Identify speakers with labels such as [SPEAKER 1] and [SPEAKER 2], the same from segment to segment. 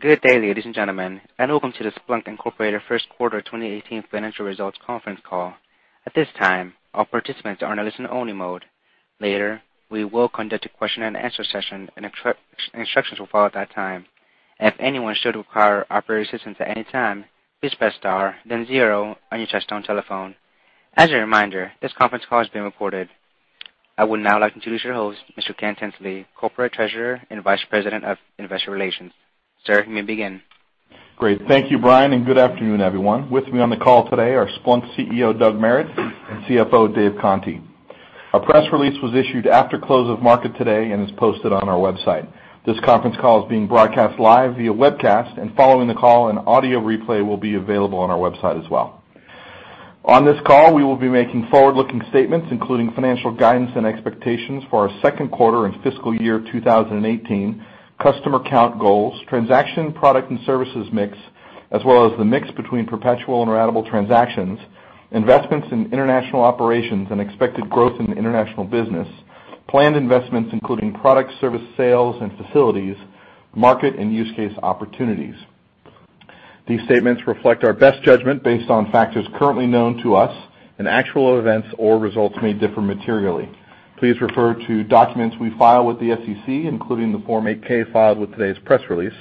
[SPEAKER 1] Good day, ladies and gentlemen. Welcome to the Splunk Inc. First Quarter 2018 Financial Results Conference Call. At this time, all participants are in listen only mode. Later, we will conduct a question and answer session, and instructions will follow at that time. If anyone should require operator assistance at any time, please press star then zero on your touchtone telephone. As a reminder, this conference call is being recorded. I would now like to introduce your host, Mr. Ken Tinsley, Corporate Treasurer and Vice President of Investor Relations. Sir, you may begin.
[SPEAKER 2] Great. Thank you, Brian, and good afternoon, everyone. With me on the call today are Splunk CEO, Doug Merritt, and CFO, Dave Conte. Our press release was issued after close of market today and is posted on our website. This conference call is being broadcast live via webcast, and following the call an audio replay will be available on our website as well. On this call, we will be making forward-looking statements, including financial guidance and expectations for our second quarter and fiscal year 2018, customer count goals, transaction product and services mix, as well as the mix between perpetual and ratable transactions, investments in international operations, and expected growth in the international business, planned investments including product service sales and facilities, market, and use case opportunities. These statements reflect our best judgment based on factors currently known to us, and actual events or results may differ materially. Please refer to documents we file with the SEC, including the Form 8-K filed with today's press release.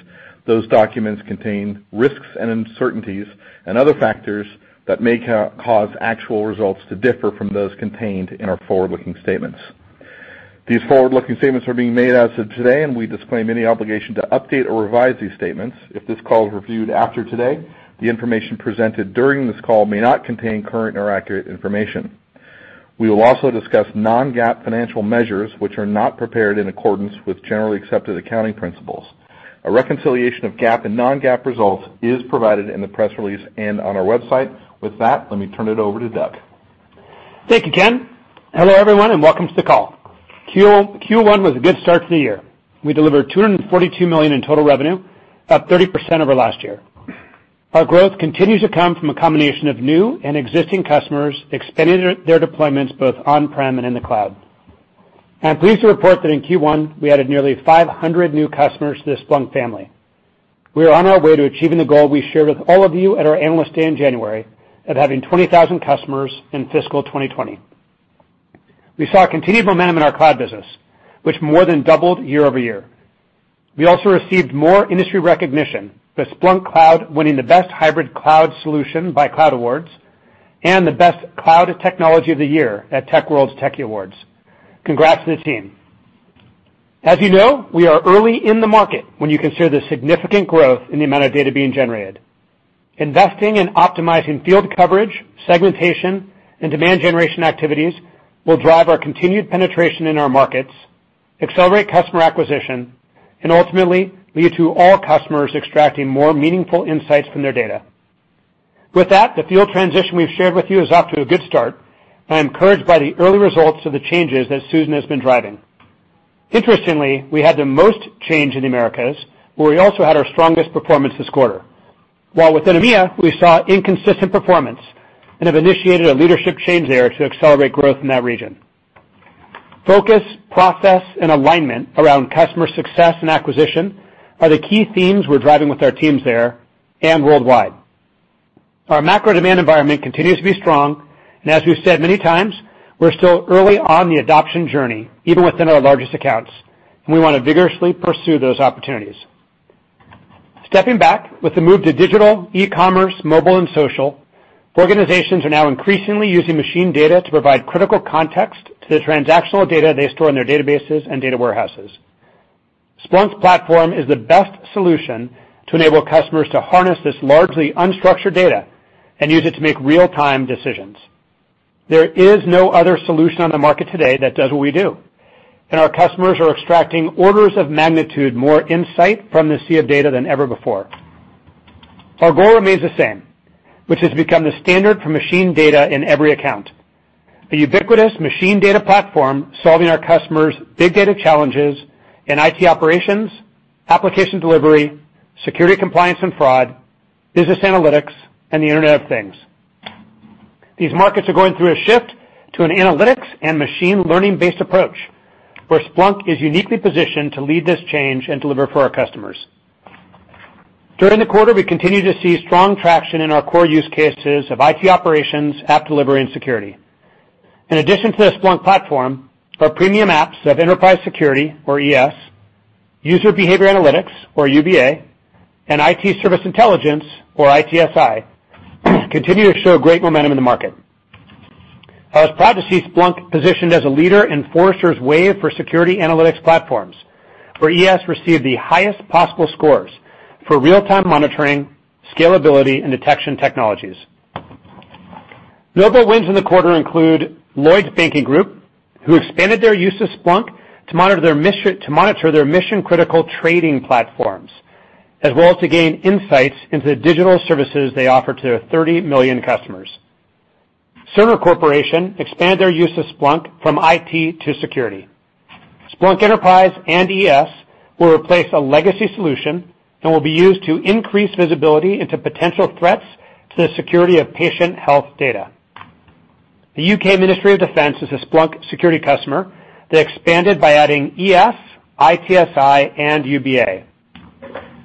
[SPEAKER 2] Those documents contain risks and uncertainties and other factors that may cause actual results to differ from those contained in our forward-looking statements. These forward-looking statements are being made as of today, and we disclaim any obligation to update or revise these statements. If this call is reviewed after today, the information presented during this call may not contain current or accurate information. We will also discuss non-GAAP financial measures which are not prepared in accordance with Generally Accepted Accounting Principles. A reconciliation of GAAP and non-GAAP results is provided in the press release and on our website. With that, let me turn it over to Doug.
[SPEAKER 3] Thank you, Ken. Hello, everyone, and welcome to the call. Q1 was a good start to the year. We delivered $242 million in total revenue, up 30% over last year. Our growth continues to come from a combination of new and existing customers expanding their deployments both on-prem and in the cloud. I'm pleased to report that in Q1, we added nearly 500 new customers to the Splunk family. We are on our way to achieving the goal we shared with all of you at our Analyst Day in January of having 20,000 customers in fiscal 2020. We saw continued momentum in our cloud business, which more than doubled year-over-year. We also received more industry recognition, with Splunk Cloud winning the best hybrid cloud solution by Cloud Awards and the best cloud technology of the year at Techworld's Techie Awards. Congrats to the team. As you know, we are early in the market when you consider the significant growth in the amount of data being generated. Investing in optimizing field coverage, segmentation, and demand generation activities will drive our continued penetration in our markets, accelerate customer acquisition, and ultimately lead to all customers extracting more meaningful insights from their data. With that, the field transition we've shared with you is off to a good start. I am encouraged by the early results of the changes that Susan has been driving. Interestingly, we had the most change in the Americas, where we also had our strongest performance this quarter. While within EMEA, we saw inconsistent performance and have initiated a leadership change there to accelerate growth in that region. Focus, process, and alignment around customer success and acquisition are the key themes we're driving with our teams there and worldwide. Our macro demand environment continues to be strong, and as we've said many times, we're still early on the adoption journey, even within our largest accounts, and we want to vigorously pursue those opportunities. Stepping back with the move to digital, e-commerce, mobile, and social, organizations are now increasingly using machine data to provide critical context to the transactional data they store in their databases and data warehouses. Splunk's platform is the best solution to enable customers to harness this largely unstructured data and use it to make real-time decisions. There is no other solution on the market today that does what we do, and our customers are extracting orders of magnitude more insight from the sea of data than ever before. Our goal remains the same, which is to become the standard for machine data in every account. The ubiquitous machine data platform solving our customers' big data challenges in IT operations, application delivery, security compliance and fraud, business analytics, and the Internet of Things. These markets are going through a shift to an analytics and machine learning-based approach, where Splunk is uniquely positioned to lead this change and deliver for our customers. During the quarter, we continued to see strong traction in our core use cases of IT operations, app delivery, and security. In addition to the Splunk platform, our premium apps of Enterprise Security, or ES, User Behavior Analytics, or UBA, and IT Service Intelligence, or ITSI, continue to show great momentum in the market. I was proud to see Splunk positioned as a leader in Forrester's Wave for Security Analytics platforms, where ES received the highest possible scores for real-time monitoring, scalability, and detection technologies. Notable wins in the quarter include Lloyds Banking Group, who expanded their use of Splunk to monitor their mission critical trading platforms, as well as to gain insights into the digital services they offer to their 30 million customers. Cerner Corporation expanded their use of Splunk from IT to security. Splunk Enterprise and ES will replace a legacy solution and will be used to increase visibility into potential threats to the security of patient health data. The U.K. Ministry of Defence is a Splunk security customer that expanded by adding ES, ITSI, and UBA.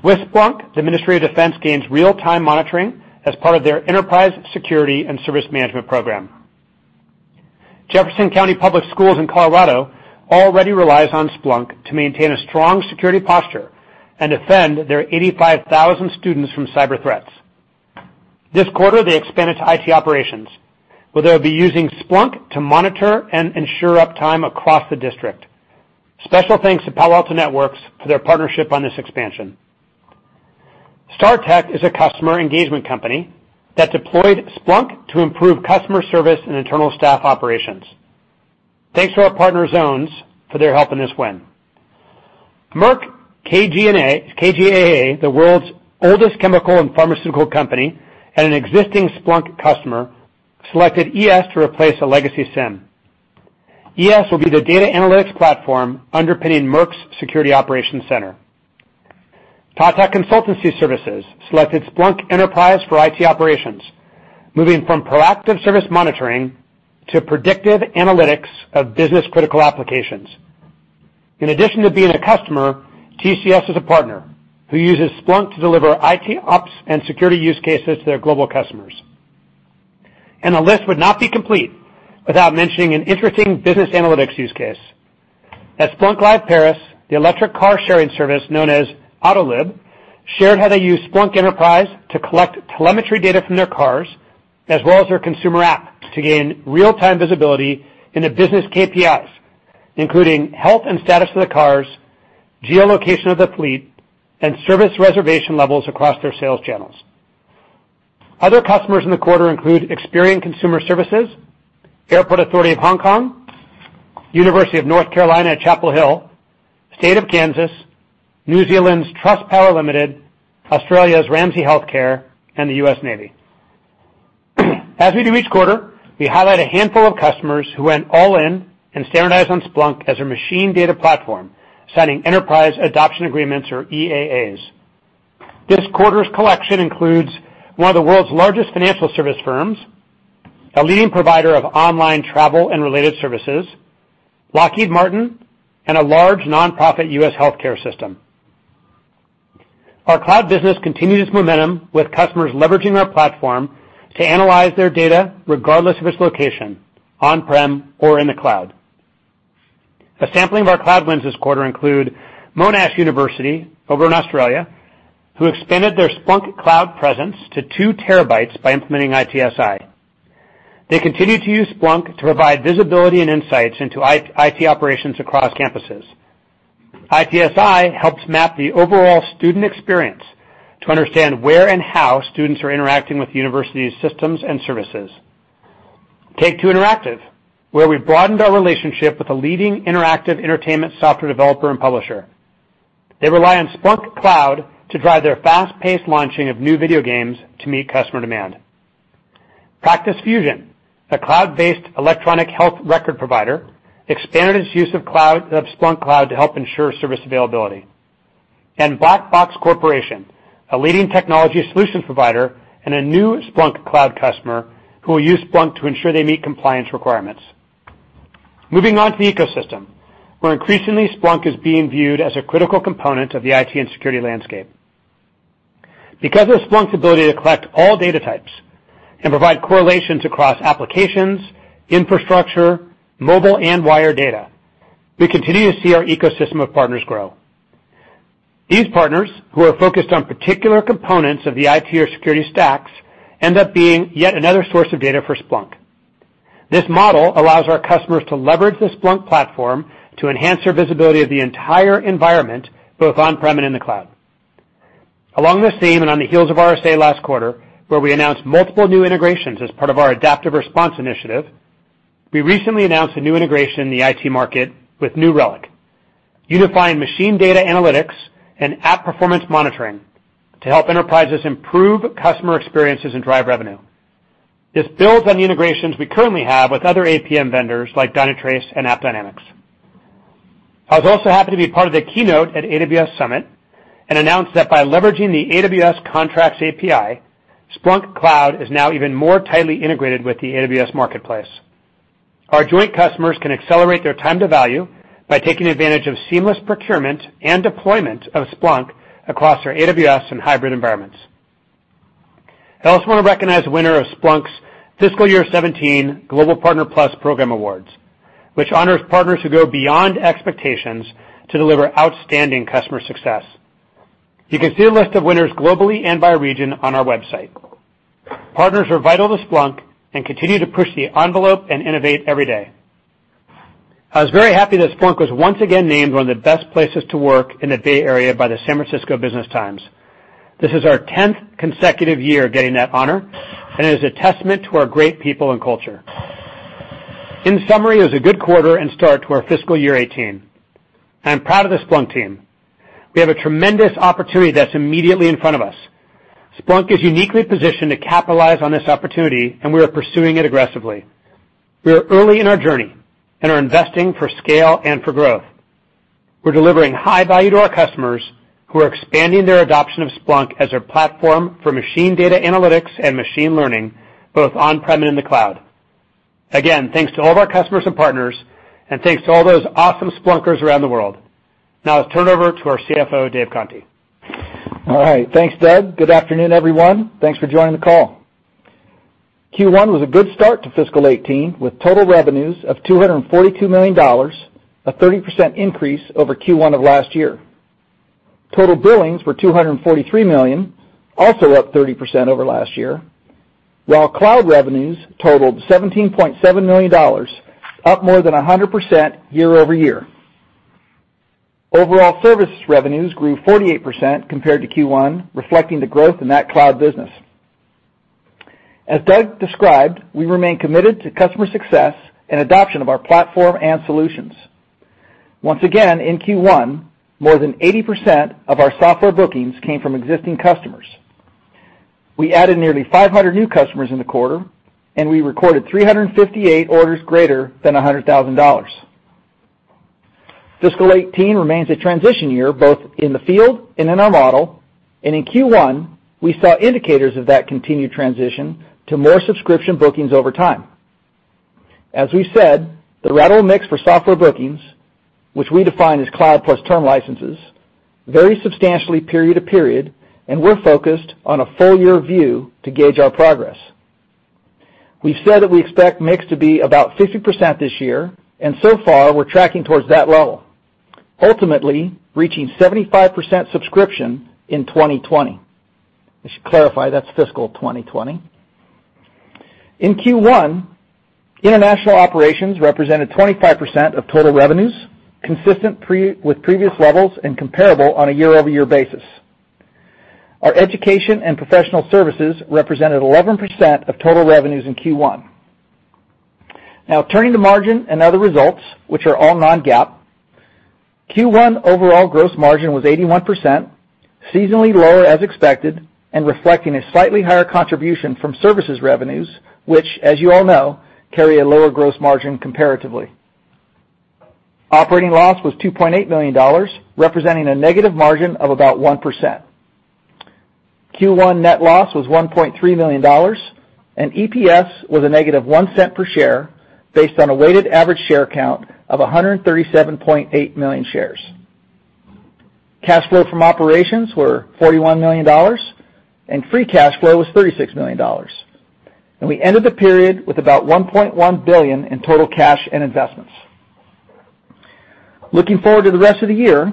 [SPEAKER 3] With Splunk, the Ministry of Defence gains real-time monitoring as part of their enterprise security and service management program. Jefferson County Public Schools in Colorado already relies on Splunk to maintain a strong security posture and defend their 85,000 students from cyber threats. This quarter, they expanded to IT operations, where they'll be using Splunk to monitor and ensure uptime across the district. Special thanks to Palo Alto Networks for their partnership on this expansion. Startek is a customer engagement company that deployed Splunk to improve customer service and internal staff operations. Thanks to our partner Zones for their help in this win. Merck KGaA, the world's oldest chemical and pharmaceutical company and an existing Splunk customer, selected ES to replace a legacy SIEM. ES will be the data analytics platform underpinning Merck's security operations center. Tata Consultancy Services selected Splunk Enterprise for IT operations, moving from proactive service monitoring to predictive analytics of business-critical applications. In addition to being a customer, TCS is a partner who uses Splunk to deliver IT ops and security use cases to their global customers. The list would not be complete without mentioning an interesting business analytics use case. At Splunk Live Paris, the electric car-sharing service known as Autolib shared how they use Splunk Enterprise to collect telemetry data from their cars, as well as their consumer apps, to gain real-time visibility into business KPIs, including health and status of the cars, geolocation of the fleet, and service reservation levels across their sales channels. Other customers in the quarter include Experian Consumer Services, Airport Authority Hong Kong, University of North Carolina at Chapel Hill, State of Kansas, New Zealand's Trustpower Limited, Australia's Ramsay Health Care, and the U.S. Navy. As we do each quarter, we highlight a handful of customers who went all in and standardized on Splunk as their machine data platform, signing enterprise adoption agreements or EAAs. This quarter's collection includes one of the world's largest financial service firms, a leading provider of online travel and related services, Lockheed Martin, and a large non-profit U.S. healthcare system. Our cloud business continues momentum with customers leveraging our platform to analyze their data regardless of its location, on-prem or in the cloud. A sampling of our cloud wins this quarter include Monash University over in Australia, who expanded their Splunk Cloud presence to 2 terabytes by implementing ITSI. They continue to use Splunk to provide visibility and insights into IT operations across campuses. ITSI helps map the overall student experience to understand where and how students are interacting with the university's systems and services. Take-Two Interactive, where we broadened our relationship with a leading interactive entertainment software developer and publisher. They rely on Splunk Cloud to drive their fast-paced launching of new video games to meet customer demand. Practice Fusion, a cloud-based electronic health record provider, expanded its use of Splunk Cloud to help ensure service availability. Black Box Corporation, a leading technology solutions provider and a new Splunk Cloud customer who will use Splunk to ensure they meet compliance requirements. Moving on to the ecosystem, where increasingly Splunk is being viewed as a critical component of the IT and security landscape. Because of Splunk's ability to collect all data types and provide correlations across applications, infrastructure, mobile, and wire data, we continue to see our ecosystem of partners grow. These partners, who are focused on particular components of the IT or security stacks, end up being yet another source of data for Splunk. This model allows our customers to leverage the Splunk platform to enhance their visibility of the entire environment, both on-prem and in the cloud. Along this theme, On the heels of RSA last quarter, where we announced multiple new integrations as part of our Adaptive Response Initiative, we recently announced a new integration in the IT market with New Relic, unifying machine data analytics and app performance monitoring to help enterprises improve customer experiences and drive revenue. This builds on the integrations we currently have with other APM vendors like Dynatrace and AppDynamics. I was also happy to be part of the keynote at AWS Summit and announce that by leveraging the AWS Contracts API, Splunk Cloud is now even more tightly integrated with the AWS Marketplace. Our joint customers can accelerate their time to value by taking advantage of seamless procurement and deployment of Splunk across their AWS and hybrid environments. I also want to recognize the winner of Splunk's fiscal year 2017 Global Partner+ Program Awards, which honors partners who go beyond expectations to deliver outstanding customer success. You can see a list of winners globally and by region on our website. Partners are vital to Splunk and continue to push the envelope and innovate every day. I was very happy that Splunk was once again named one of the best places to work in the Bay Area by the "San Francisco Business Times." This is our tenth consecutive year getting that honor, and it is a testament to our great people and culture. In summary, it was a good quarter and start to our fiscal year 2018, I'm proud of the Splunk team. We have a tremendous opportunity that's immediately in front of us. Splunk is uniquely positioned to capitalize on this opportunity, We are pursuing it aggressively. We are early in our journey and are investing for scale and for growth. We're delivering high value to our customers who are expanding their adoption of Splunk as their platform for machine data analytics and machine learning, both on-prem and in the cloud. Again, thanks to all of our customers and partners, thanks to all those awesome Splunkers around the world. Now I'll turn it over to our CFO, Dave Conte.
[SPEAKER 4] All right. Thanks, Doug. Good afternoon, everyone. Thanks for joining the call. Q1 was a good start to fiscal 2018, with total revenues of $242 million, a 30% increase over Q1 of last year. Total billings were $243 million, also up 30% over last year, while cloud revenues totaled $17.7 million, up more than 100% year-over-year. Overall service revenues grew 48% compared to Q1, reflecting the growth in that cloud business. As Doug described, we remain committed to customer success and adoption of our platform and solutions. Once again, in Q1, more than 80% of our software bookings came from existing customers. We added nearly 500 new customers in the quarter, We recorded 358 orders greater than $100,000. Fiscal 2018 remains a transition year, both in the field and in our model. In Q1, we saw indicators of that continued transition to more subscription bookings over time. As we've said, the ratable mix for software bookings, which we define as cloud plus term licenses, vary substantially period to period, and we're focused on a full-year view to gauge our progress. We've said that we expect mix to be about 50% this year, and so far, we're tracking towards that level, ultimately reaching 75% subscription in 2020. I should clarify, that's fiscal 2020. In Q1, international operations represented 25% of total revenues, consistent with previous levels and comparable on a year-over-year basis. Our education and professional services represented 11% of total revenues in Q1. Now turning to margin and other results, which are all non-GAAP, Q1 overall gross margin was 81%, seasonally lower as expected, and reflecting a slightly higher contribution from services revenues, which as you all know, carry a lower gross margin comparatively. Operating loss was $2.8 million, representing a negative margin of about 1%. Q1 net loss was $1.3 million, and EPS was a negative $0.01 per share based on a weighted average share count of 137.8 million shares. Cash flow from operations were $41 million, and free cash flow was $36 million. We ended the period with about $1.1 billion in total cash and investments. Looking forward to the rest of the year,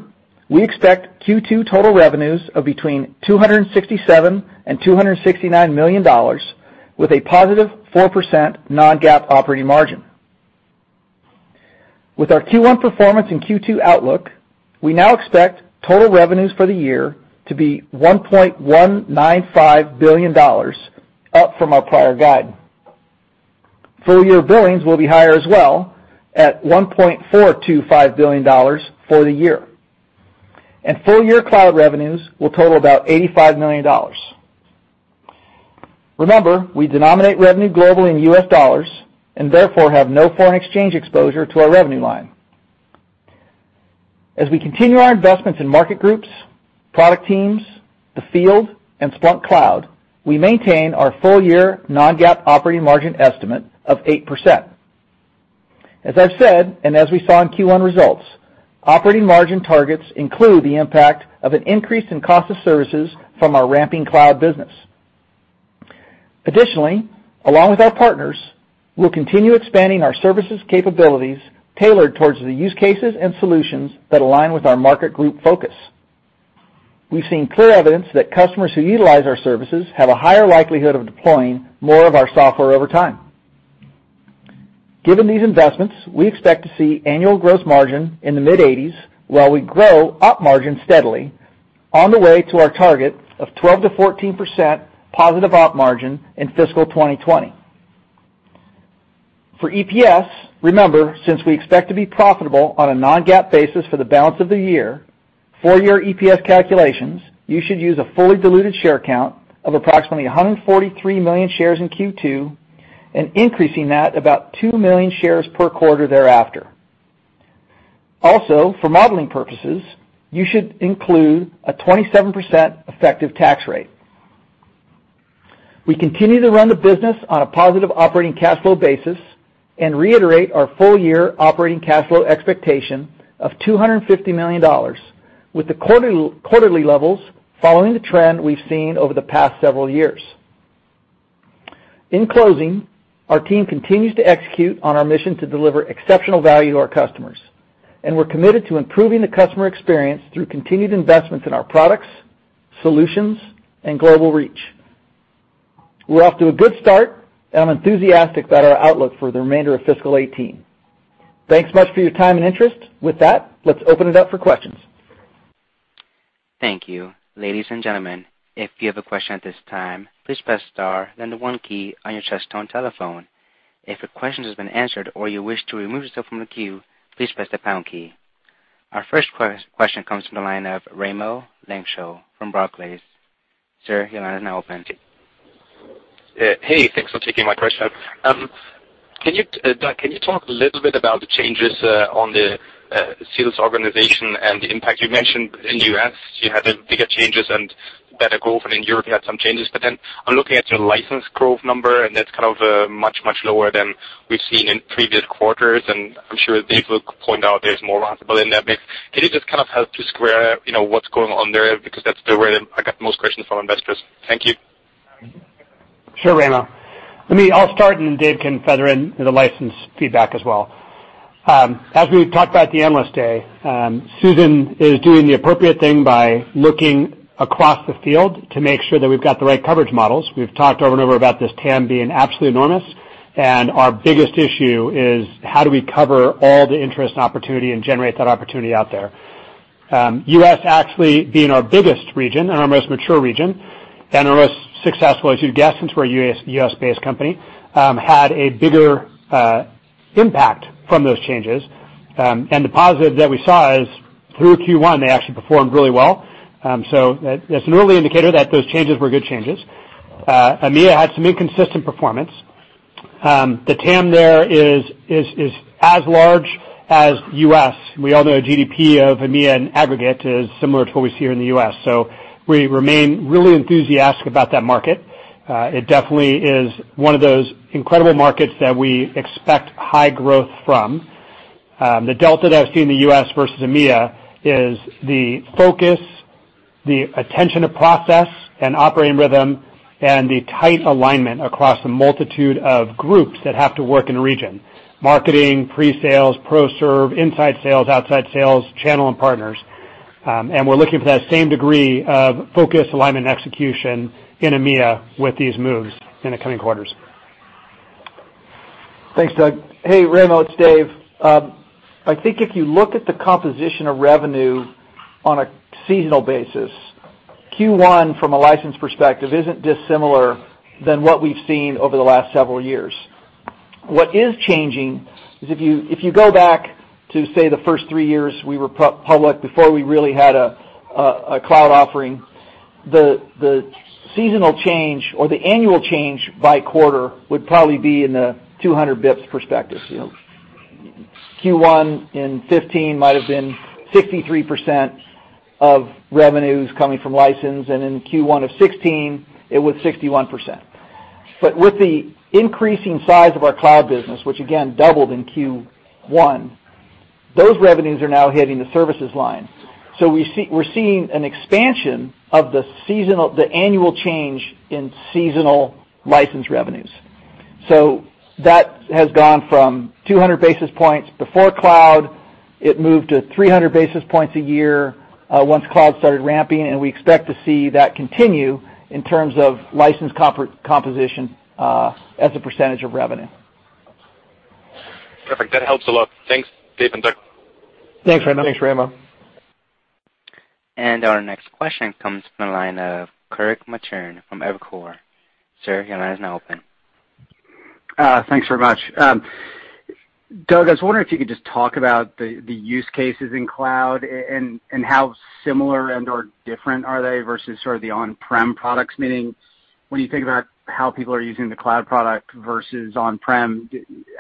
[SPEAKER 4] we expect Q2 total revenues of between $267 million and $269 million, with a positive 4% non-GAAP operating margin. With our Q1 performance and Q2 outlook, we now expect total revenues for the year to be $1.195 billion, up from our prior guide. Full year billings will be higher as well at $1.425 billion for the year, and full year cloud revenues will total about $85 million. Remember, we denominate revenue globally in U.S. dollars, and therefore have no foreign exchange exposure to our revenue line. As we continue our investments in market groups, product teams, the field, and Splunk Cloud, we maintain our full year non-GAAP operating margin estimate of 8%. As I've said, as we saw in Q1 results, operating margin targets include the impact of an increase in cost of services from our ramping cloud business. Additionally, along with our partners, we'll continue expanding our services capabilities tailored towards the use cases and solutions that align with our market group focus. We've seen clear evidence that customers who utilize our services have a higher likelihood of deploying more of our software over time. Given these investments, we expect to see annual gross margin in the mid-80s while we grow op margin steadily on the way to our target of 12%-14% positive op margin in fiscal 2020. For EPS, remember, since we expect to be profitable on a non-GAAP basis for the balance of the year, full year EPS calculations, you should use a fully diluted share count of approximately 143 million shares in Q2 and increasing that about 2 million shares per quarter thereafter. Also, for modeling purposes, you should include a 27% effective tax rate. We continue to run the business on a positive operating cash flow basis and reiterate our full year operating cash flow expectation of $250 million with the quarterly levels following the trend we've seen over the past several years. In closing, our team continues to execute on our mission to deliver exceptional value to our customers, and we're committed to improving the customer experience through continued investments in our products, solutions, and global reach. We're off to a good start, and I'm enthusiastic about our outlook for the remainder of fiscal 2018. Thanks much for your time and interest. With that, let's open it up for questions.
[SPEAKER 1] Thank you. Ladies and gentlemen, if you have a question at this time, please press star, then the 1 key on your touchtone telephone. If your question has been answered or you wish to remove yourself from the queue, please press the pound key. Our first question comes from the line of Raimo Lenschow from Barclays. Sir, your line is now open.
[SPEAKER 5] Hey, thanks for taking my question. Doug, can you talk a little bit about the changes on the sales organization and the impact? You mentioned in the U.S. you had bigger changes and better growth, and in Europe you had some changes. I'm looking at your license growth number, and that's much, much lower than we've seen in previous quarters, and I'm sure Dave will point out there's more possible in that mix. Can you just help to square what's going on there? That's the area I got the most questions from investors. Thank you.
[SPEAKER 3] Sure, Raimo. I'll start, and then Dave can feather in the license feedback as well. As we talked about at the Analyst Day, Susan is doing the appropriate thing by looking across the field to make sure that we've got the right coverage models. We've talked over and over about this TAM being absolutely enormous, and our biggest issue is how do we cover all the interest and opportunity and generate that opportunity out there. U.S. actually being our biggest region and our most mature region, and our most successful, as you'd guess, since we're a U.S.-based company, had a bigger impact from those changes. The positive that we saw is through Q1, they actually performed really well. So that's an early indicator that those changes were good changes. EMEA had some inconsistent performance. The TAM there is as large as U.S. We all know a GDP of EMEA in aggregate is similar to what we see here in the U.S., so we remain really enthusiastic about that market. It definitely is one of those incredible markets that we expect high growth from. The delta that I've seen in the U.S. versus EMEA is the focus, the attention to process and operating rhythm, and the tight alignment across the multitude of groups that have to work in a region. Marketing, pre-sales, pro serve, inside sales, outside sales, channel and partners. We're looking for that same degree of focus, alignment, and execution in EMEA with these moves in the coming quarters.
[SPEAKER 4] Thanks, Doug. Hey, Raimo, it's Dave. I think if you look at the composition of revenue on a seasonal basis, Q1 from a license perspective isn't dissimilar than what we've seen over the last several years. What is changing is if you go back to, say, the first three years we were public, before we really had a cloud offering, the seasonal change or the annual change by quarter would probably be in the 200 basis points perspective. Q1 in 2015 might have been 63% of revenues coming from license, and in Q1 of 2016 it was 61%. With the increasing size of our cloud business, which again doubled in Q1, those revenues are now hitting the services line. We're seeing an expansion of the annual change in seasonal license revenues. That has gone from 200 basis points before cloud. It moved to 300 basis points a year once cloud started ramping, and we expect to see that continue in terms of license composition as a percentage of revenue.
[SPEAKER 5] Perfect. That helps a lot. Thanks, Dave and Doug.
[SPEAKER 3] Thanks, Raimo.
[SPEAKER 4] Thanks, Raimo.
[SPEAKER 1] Our next question comes from the line of Kirk Materne from Evercore. Sir, your line is now open.
[SPEAKER 6] Thanks very much. Doug, I was wondering if you could just talk about the use cases in cloud, and how similar and/or different are they versus the on-prem products? Meaning, when you think about how people are using the cloud product versus on-prem,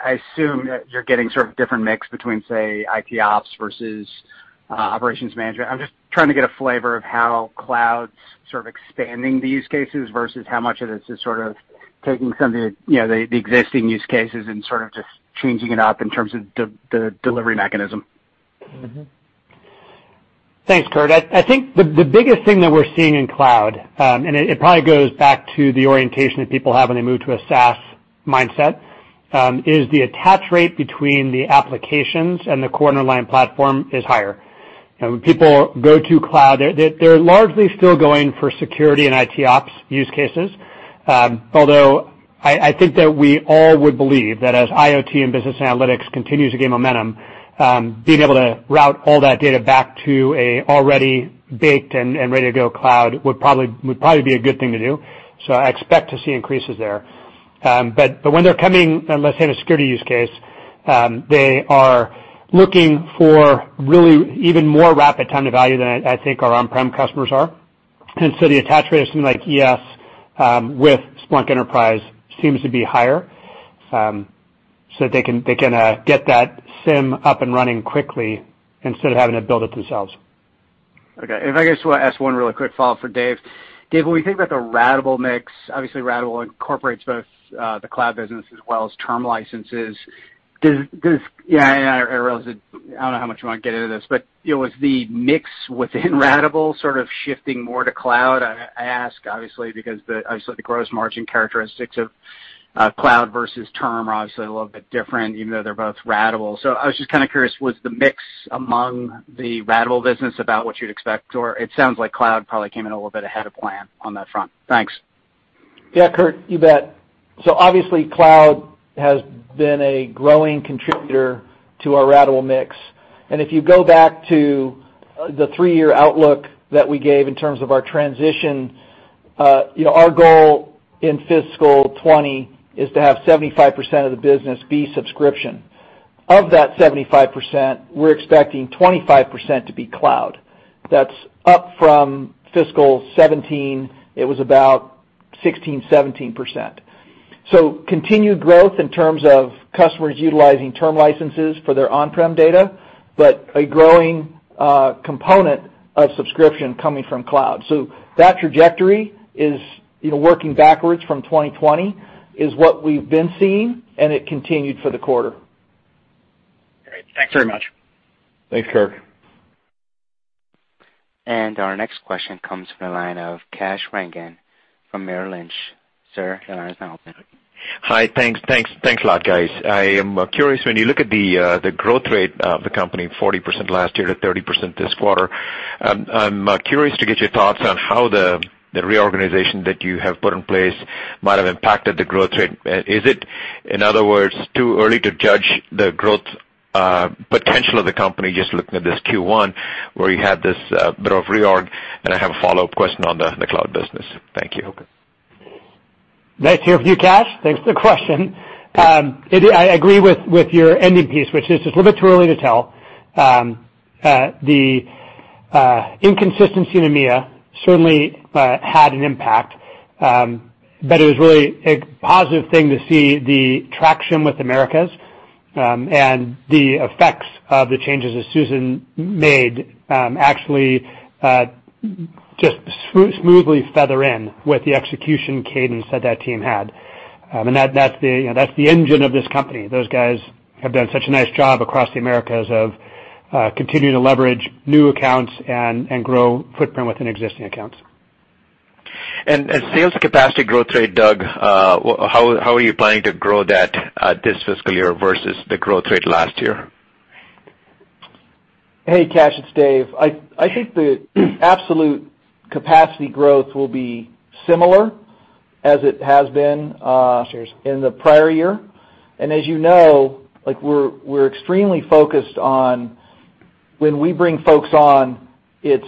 [SPEAKER 6] I assume that you're getting different mix between, say, IT ops versus operations management. I'm just trying to get a flavor of how cloud's expanding the use cases versus how much of it is just taking some of the existing use cases and just changing it up in terms of the delivery mechanism.
[SPEAKER 3] Thanks, Kirk. I think the biggest thing that we're seeing in cloud, and it probably goes back to the orientation that people have when they move to a SaaS mindset, is the attach rate between the applications and the corner line platform is higher. When people go to cloud, they're largely still going for security and IT ops use cases. Although I think that we all would believe that as IoT and business analytics continues to gain momentum, being able to route all that data back to an already baked and ready-to-go cloud would probably be a good thing to do. I expect to see increases there. When they're coming, let's say, in a security use case, they are looking for really even more rapid time to value than I think our on-prem customers are. The attach rates in ES with Splunk Enterprise seems to be higher, so that they can get that SIEM up and running quickly instead of having to build it themselves.
[SPEAKER 6] Okay. If I could just ask one really quick follow-up for Dave. Dave, when we think about the ratable mix, obviously ratable incorporates both the cloud business as well as term licenses. I realize that I don't know how much you want to get into this, was the mix within ratable shifting more to cloud? I ask obviously because obviously the gross margin characteristics of cloud versus term are obviously a little bit different even though they're both ratable. I was just curious, was the mix among the ratable business about what you'd expect, or it sounds like cloud probably came in a little bit ahead of plan on that front. Thanks.
[SPEAKER 4] Yeah, Kirk, you bet. Obviously, cloud has been a growing contributor to our ratable mix. If you go back to the three-year outlook that we gave in terms of our transition, our goal in fiscal 2020 is to have 75% of the business be subscription. Of that 75%, we're expecting 25% to be cloud. That's up from fiscal 2017, it was about 16%-17%. Continued growth in terms of customers utilizing term licenses for their on-prem data, but a growing component of subscription coming from cloud. That trajectory is, working backwards from 2020 is what we've been seeing, and it continued for the quarter.
[SPEAKER 6] Great. Thanks very much.
[SPEAKER 2] Thanks, Kirk.
[SPEAKER 1] Our next question comes from the line of Kash Rangan from Merrill Lynch. Sir, your line is now open.
[SPEAKER 7] Hi. Thanks a lot, guys. I am curious, when you look at the growth rate of the company, 40% last year to 30% this quarter, I'm curious to get your thoughts on how the reorganization that you have put in place might have impacted the growth rate. Is it, in other words, too early to judge the growth potential of the company just looking at this Q1 where you had this bit of reorg? I have a follow-up question on the cloud business. Thank you.
[SPEAKER 3] Nice to hear from you, Kash. Thanks for the question. I agree with your ending piece, which is it's a little bit too early to tell. The inconsistency in EMEA certainly had an impact, but it was really a positive thing to see the traction with Americas, the effects of the changes that Susan made actually just smoothly feather in with the execution cadence that that team had. That's the engine of this company. Those guys have done such a nice job across the Americas of continuing to leverage new accounts and grow footprint within existing accounts.
[SPEAKER 7] Sales capacity growth rate, Doug, how are you planning to grow that this fiscal year versus the growth rate last year?
[SPEAKER 4] Hey, Kash, it's Dave. I think the absolute capacity growth will be similar as it has been in the prior year. As you know, we're extremely focused on when we bring folks on, it's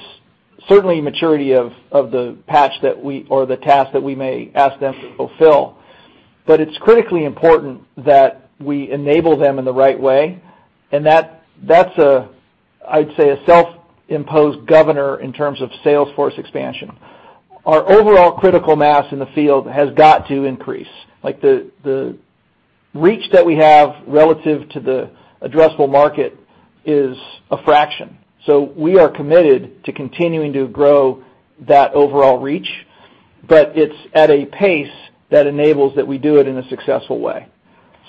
[SPEAKER 4] certainly maturity of the patch or the task that we may ask them to fulfill. It's critically important that we enable them in the right way, that's, I'd say, a self-imposed governor in terms of sales force expansion. Our overall critical mass in the field has got to increase. The reach that we have relative to the addressable market is a fraction. We are committed to continuing to grow that overall reach, but it's at a pace that enables that we do it in a successful way.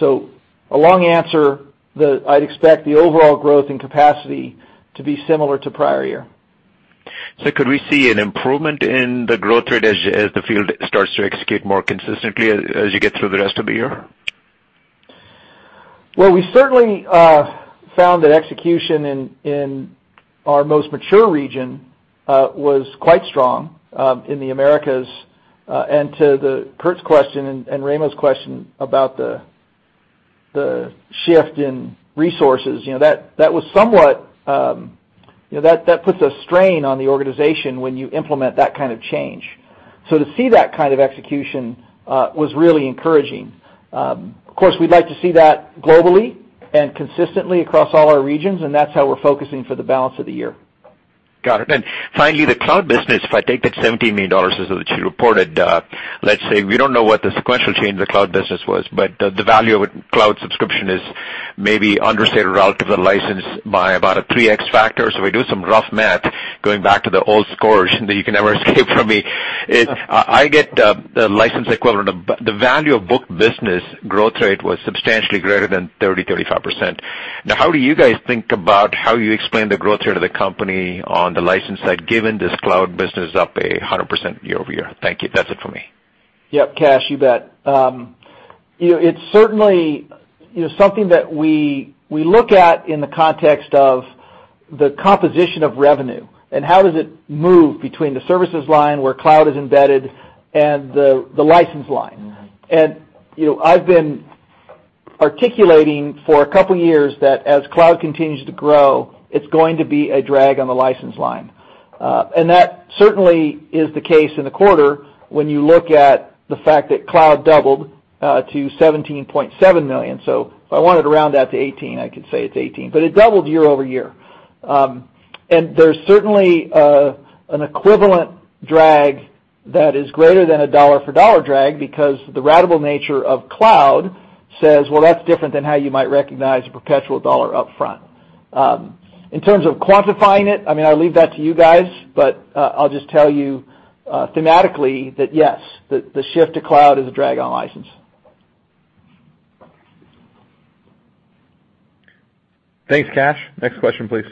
[SPEAKER 4] A long answer, I'd expect the overall growth and capacity to be similar to prior year.
[SPEAKER 7] Could we see an improvement in the growth rate as the field starts to execute more consistently as you get through the rest of the year?
[SPEAKER 3] Well, we certainly found that execution in our most mature region was quite strong, in the Americas. To the first question and Raimo's question about the shift in resources, that puts a strain on the organization when you implement that kind of change. To see that kind of execution was really encouraging. Of course, we'd like to see that globally and consistently across all our regions. That's how we're focusing for the balance of the year.
[SPEAKER 7] Got it. Finally, the cloud business, if I take that $17 million or so that you reported, let's say we don't know what the sequential change of the cloud business was, but the value of cloud subscription is maybe understated relative to license by about a 3x factor. We do some rough math, going back to the old scores that you can never escape from me, is I get the license equivalent of the value of book business growth rate was substantially greater than 30%-35%. Now, how do you guys think about how you explain the growth rate of the company on the license side, given this cloud business up 100% year-over-year? Thank you. That's it for me.
[SPEAKER 3] Yep, Kash, you bet. It's certainly something that we look at in the context of the composition of revenue. How does it move between the services line where cloud is embedded and the license line. I've been articulating for a couple of years that as cloud continues to grow, it's going to be a drag on the license line. That certainly is the case in the quarter when you look at the fact that cloud doubled to $17.7 million. If I wanted to round that to 18, I could say it's 18, but it doubled year-over-year. There's certainly an equivalent drag that is greater than a dollar for dollar drag because the ratable nature of cloud says, "Well, that's different than how you might recognize a perpetual dollar upfront." In terms of quantifying it, I mean, I leave that to you guys, but I'll just tell you thematically that yes, the shift to cloud is a drag on license.
[SPEAKER 2] Thanks, Kash. Next question, please.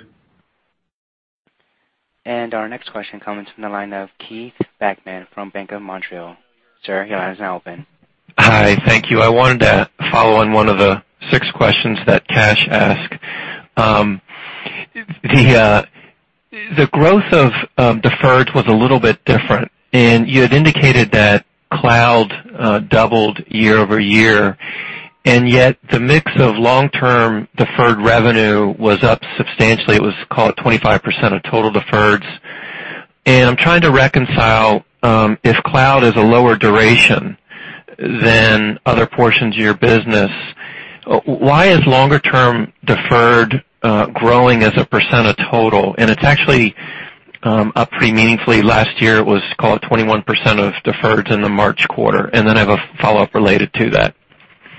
[SPEAKER 1] Our next question comes from the line of Keith Bachman from Bank of Montreal. Sir, your line is now open.
[SPEAKER 8] Hi. Thank you. I wanted to follow on one of the six questions that Kash asked. The growth of deferred was a little bit different, and you had indicated that cloud doubled year-over-year, and yet the mix of long-term deferred revenue was up substantially. It was, call it, 25% of total deferreds. I'm trying to reconcile, if cloud is a lower duration than other portions of your business, why is longer-term deferred growing as a % of total? It's actually up pretty meaningfully. Last year, it was, call it, 21% of deferreds in the March quarter, and then I have a follow-up related to that.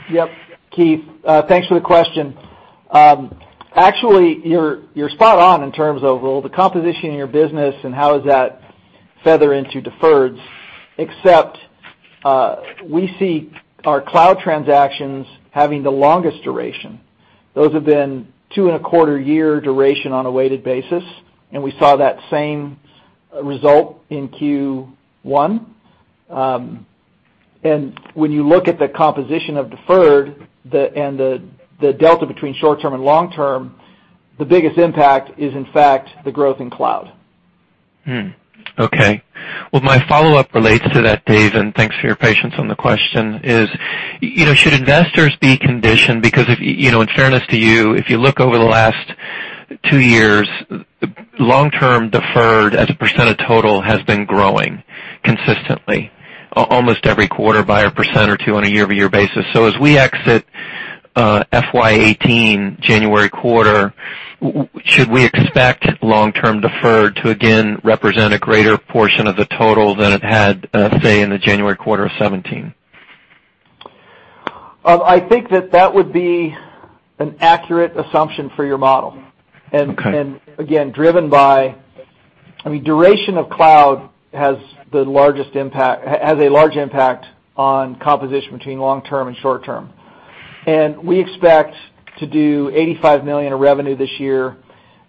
[SPEAKER 4] Yep. Keith, thanks for the question. Actually, you're spot on in terms of, well, the composition in your business and how does that feather into deferreds, except we see our cloud transactions having the longest duration. Those have been two and a quarter year duration on a weighted basis, and we saw that same result in Q1. When you look at the composition of deferred and the delta between short-term and long-term, the biggest impact is, in fact, the growth in cloud.
[SPEAKER 8] Okay. My follow-up relates to that, Dave, and thanks for your patience on the question is, should investors be conditioned? In fairness to you, if you look over the last two years, long-term deferred as a percent of total has been growing consistently, almost every quarter by a percent or two on a year-over-year basis. As we exit FY 2018 January quarter, should we expect long-term deferred to again represent a greater portion of the total than it had, say, in the January quarter of 2017?
[SPEAKER 4] I think that that would be an accurate assumption for your model.
[SPEAKER 8] Okay.
[SPEAKER 4] Again, driven by Duration of cloud has a large impact on composition between long-term and short-term. We expect to do $85 million of revenue this year.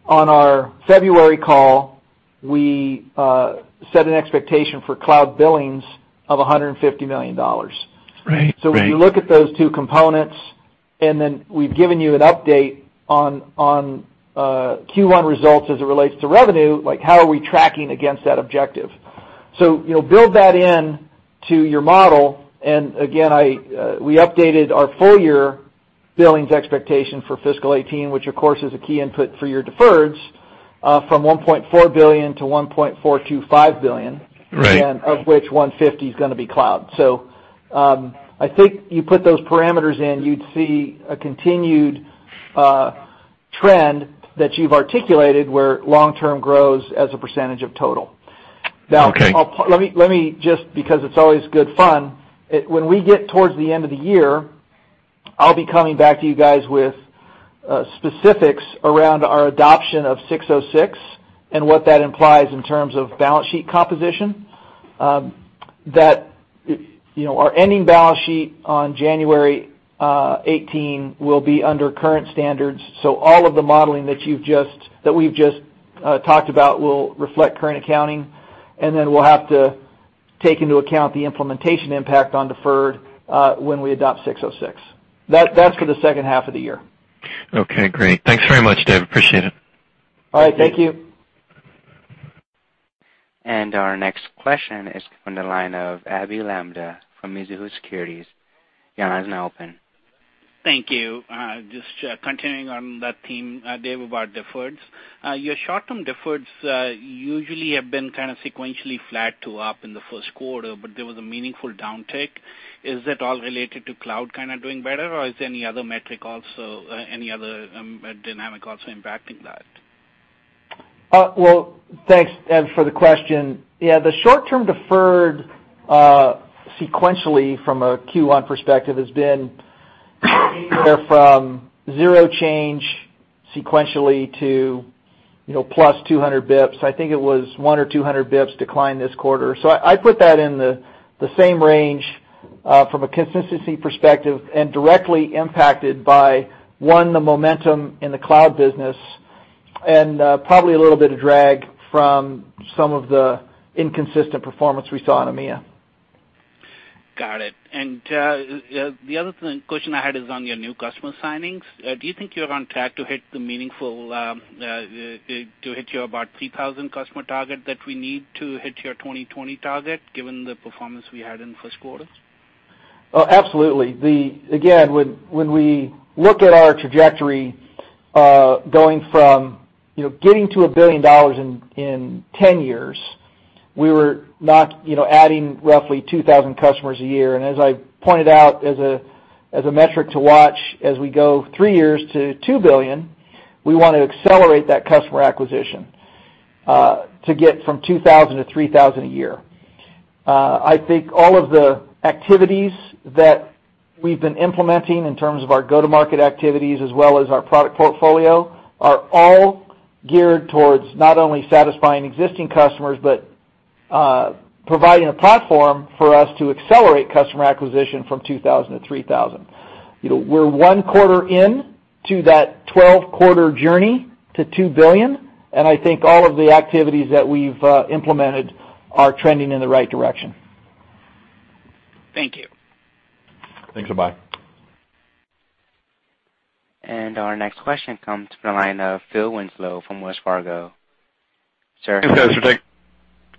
[SPEAKER 4] On our February call, we set an expectation for cloud billings of $150 million.
[SPEAKER 8] Right.
[SPEAKER 4] If you look at those two components, and then we've given you an update on Q1 results as it relates to revenue, like how are we tracking against that objective? Build that into your model, and again, we updated our full-year billings expectation for fiscal 2018, which of course is a key input for your deferreds, from $1.4 billion to $1.425 billion.
[SPEAKER 8] Right.
[SPEAKER 4] Again, of which $150 is going to be cloud. I think you put those parameters in, you'd see a continued trend that you've articulated where long-term grows as a % of total.
[SPEAKER 8] Okay.
[SPEAKER 4] Now, let me just, because it's always good fun, when we get towards the end of the year, I'll be coming back to you guys with specifics around our adoption of 606 and what that implies in terms of balance sheet composition. That our ending balance sheet on January 18 will be under current standards, so all of the modeling that we've just talked about will reflect current accounting, and then we'll have to take into account the implementation impact on deferred when we adopt 606. That's for the second half of the year.
[SPEAKER 8] Okay, great. Thanks very much, Dave. Appreciate it.
[SPEAKER 4] All right. Thank you.
[SPEAKER 1] Our next question is from the line of Abhey Lamba from Mizuho Securities. Your line is now open.
[SPEAKER 9] Thank you. Just continuing on that theme, Dave, about deferreds. Your short-term deferreds usually have been kind of sequentially flat to up in the first quarter, but there was a meaningful downtick. Is that all related to cloud kind of doing better, or is there any other metric also, any other dynamic also impacting that?
[SPEAKER 4] Thanks, Abhey, for the question. Yeah, the short-term deferred sequentially from a Q1 perspective has been anywhere from zero change sequentially to plus 200 basis points. I think it was one or 200 basis points decline this quarter. I put that in the same range from a consistency perspective and directly impacted by, one, the momentum in the cloud business and probably a little bit of drag from some of the inconsistent performance we saw in EMEA.
[SPEAKER 9] Got it. The other question I had is on your new customer signings. Do you think you're on track to hit your about 3,000 customer target that we need to hit your 2020 target given the performance we had in the first quarter?
[SPEAKER 4] Absolutely. Again, when we look at our trajectory, going from getting to $1 billion in 10 years, we were not adding roughly 2,000 customers a year. As I pointed out as a metric to watch as we go three years to $2 billion, we want to accelerate that customer acquisition to get from 2,000 to 3,000 a year. I think all of the activities that we've been implementing in terms of our go-to-market activities as well as our product portfolio are all geared towards not only satisfying existing customers, but providing a platform for us to accelerate customer acquisition from 2,000 to 3,000. We're one quarter in to that 12-quarter journey to $2 billion, I think all of the activities that we've implemented are trending in the right direction.
[SPEAKER 9] Thank you.
[SPEAKER 1] Thanks. Bye. Our next question comes from the line of Phil Winslow from Wells Fargo. Sir.
[SPEAKER 10] Thanks, guys.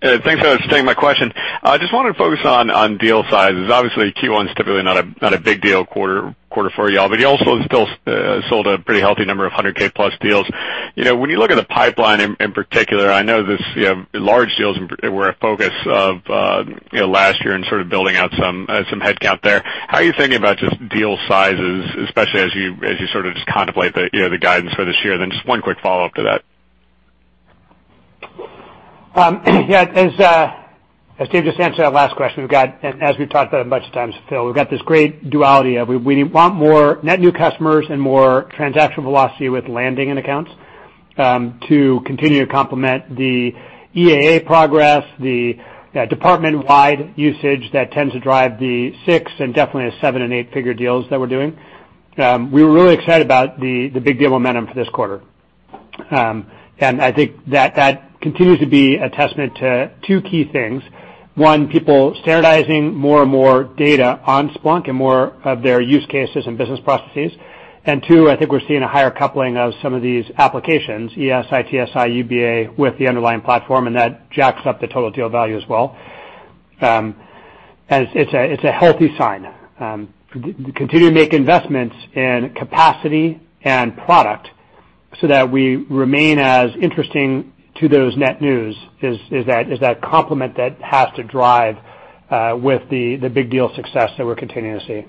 [SPEAKER 10] Thanks for taking my question. I just wanted to focus on deal sizes. Obviously, Q1's typically not a big deal quarter for y'all, but y'all still sold a pretty healthy number of 100K plus deals. When you look at the pipeline in particular, I know large deals were a focus of last year and building out some headcount there. How are you thinking about just deal sizes, especially as you just contemplate the guidance for this year? Just one quick follow-up to that.
[SPEAKER 3] Yeah, as Dave just answered that last question we've got, as we've talked about a bunch of times, Phil, we've got this great duality of we want more net new customers and more transaction velocity with landing and accounts, to continue to complement the EAA progress, the department-wide usage that tends to drive the six and definitely the seven and eight-figure deals that we're doing. We were really excited about the big deal momentum for this quarter. I think that continues to be a testament to two key things. One, people standardizing more and more data on Splunk and more of their use cases and business processes. Two, I think we're seeing a higher coupling of some of these applications, ES, ITSI, UBA, with the underlying platform, and that jacks up the total deal value as well. It's a healthy sign. Continue to make investments in capacity and product so that we remain as interesting to those net new as that complement that has to drive with the big deal success that we're continuing to see.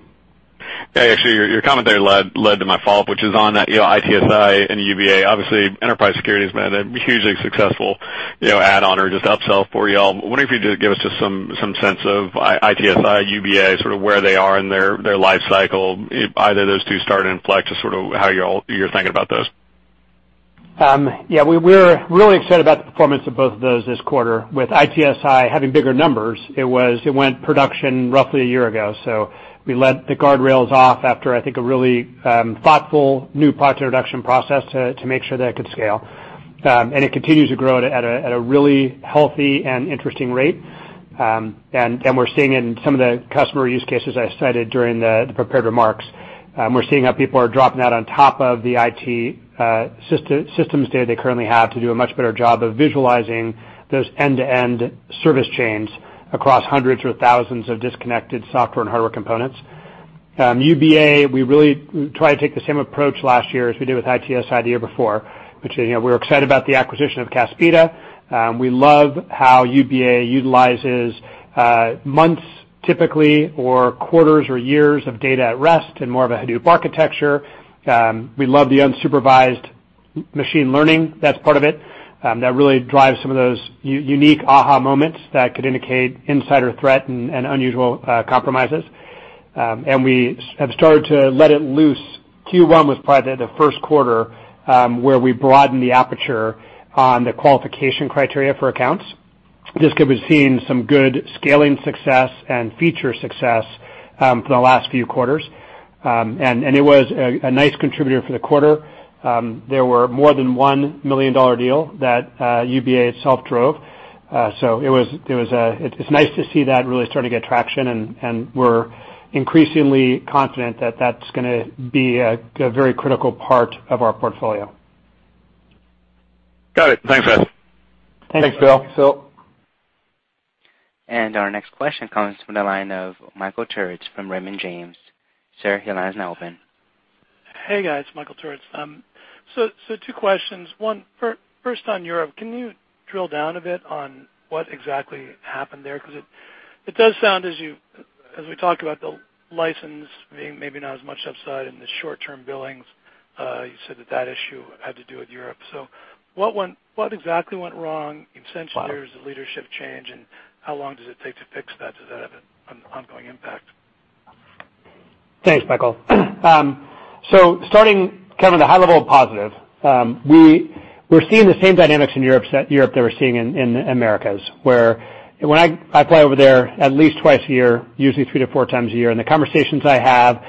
[SPEAKER 10] Yeah, actually, your comment there led to my follow-up, which is on that ITSI and UBA. Obviously, Enterprise Security has been a hugely successful add-on or just upsell for y'all. I was wondering if you'd just give us just some sense of ITSI, UBA, sort of where they are in their life cycle, either those two start and flex or sort of how you're thinking about those.
[SPEAKER 3] Yeah, we're really excited about the performance of both of those this quarter. With ITSI having bigger numbers, it went production roughly a year ago, so we let the guardrails off after, I think, a really thoughtful new product introduction process to make sure that it could scale. It continues to grow at a really healthy and interesting rate. We're seeing it in some of the customer use cases I cited during the prepared remarks. We're seeing how people are dropping that on top of the IT systems data they currently have to do a much better job of visualizing those end-to-end service chains across hundreds or thousands of disconnected software and hardware components. UBA, we really tried to take the same approach last year as we did with ITSI the year before, which is we're excited about the acquisition of Caspida. We love how UBA utilizes months typically, or quarters, or years of data at rest and more of a Hadoop architecture. We love the unsupervised machine learning that's part of it. That really drives some of those unique aha moments that could indicate insider threat and unusual compromises. We have started to let it loose. Q1 was probably the first quarter where we broadened the aperture on the qualification criteria for accounts. Just because we've seen some good scaling success and feature success for the last few quarters. It was a nice contributor for the quarter. There were more than $1 million deal that UBA itself drove. It's nice to see that really starting to get traction, and we're increasingly confident that that's going to be a very critical part of our portfolio.
[SPEAKER 10] Got it. Thanks, guys.
[SPEAKER 3] Thanks.
[SPEAKER 1] Thanks, Phil. Our next question comes from the line of Michael Turits from Raymond James. Sir, your line is now open.
[SPEAKER 11] Hey, guys. Michael Turits. Two questions. One, first on Europe, can you drill down a bit on what exactly happened there? It does sound as we talked about the license being maybe not as much upside in the short-term billings, you said that that issue had to do with Europe. What exactly went wrong in recent years of leadership change, and how long does it take to fix that? Does that have an ongoing impact?
[SPEAKER 3] Thanks, Michael. Starting, kind of, the high-level positive. We're seeing the same dynamics in Europe that we're seeing in Americas, where when I fly over there at least twice a year, usually three to four times a year, and the conversations I have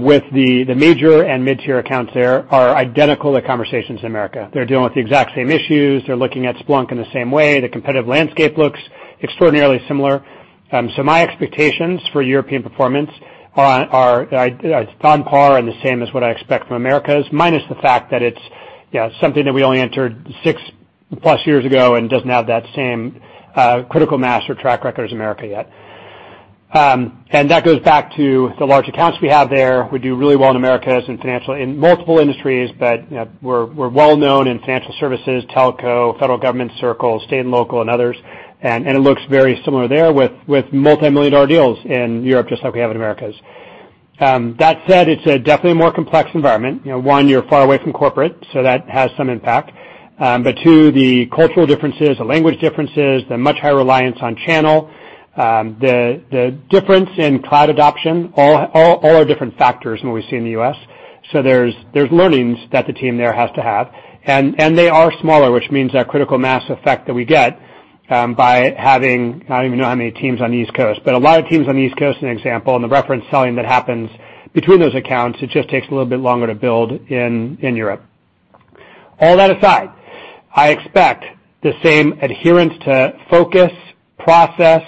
[SPEAKER 3] with the major and mid-tier accounts there are identical to conversations in America. They're dealing with the exact same issues. They're looking at Splunk in the same way. The competitive landscape looks extraordinarily similar. My expectations for European performance are on par and the same as what I expect from Americas, minus the fact that it's something that we only entered six plus years ago and doesn't have that same critical mass or track record as America yet. That goes back to the large accounts we have there. We do really well in Americas in multiple industries, but we're well known in financial services, telco, federal government circle, state and local, and others. It looks very similar there with multimillion-dollar deals in Europe, just like we have in Americas. That said, it's definitely a more complex environment. One, you're far away from corporate, that has some impact. Two, the cultural differences, the language differences, the much higher reliance on channel, the difference in cloud adoption, all are different factors than what we see in the U.S. There's learnings that the team there has to have, and they are smaller, which means that critical mass effect that we get by having, I don't even know how many teams on the East Coast, but a lot of teams on the East Coast, an example, and the reference selling that happens between those accounts, it just takes a little bit longer to build in Europe. All that aside, I expect the same adherence to focus, process,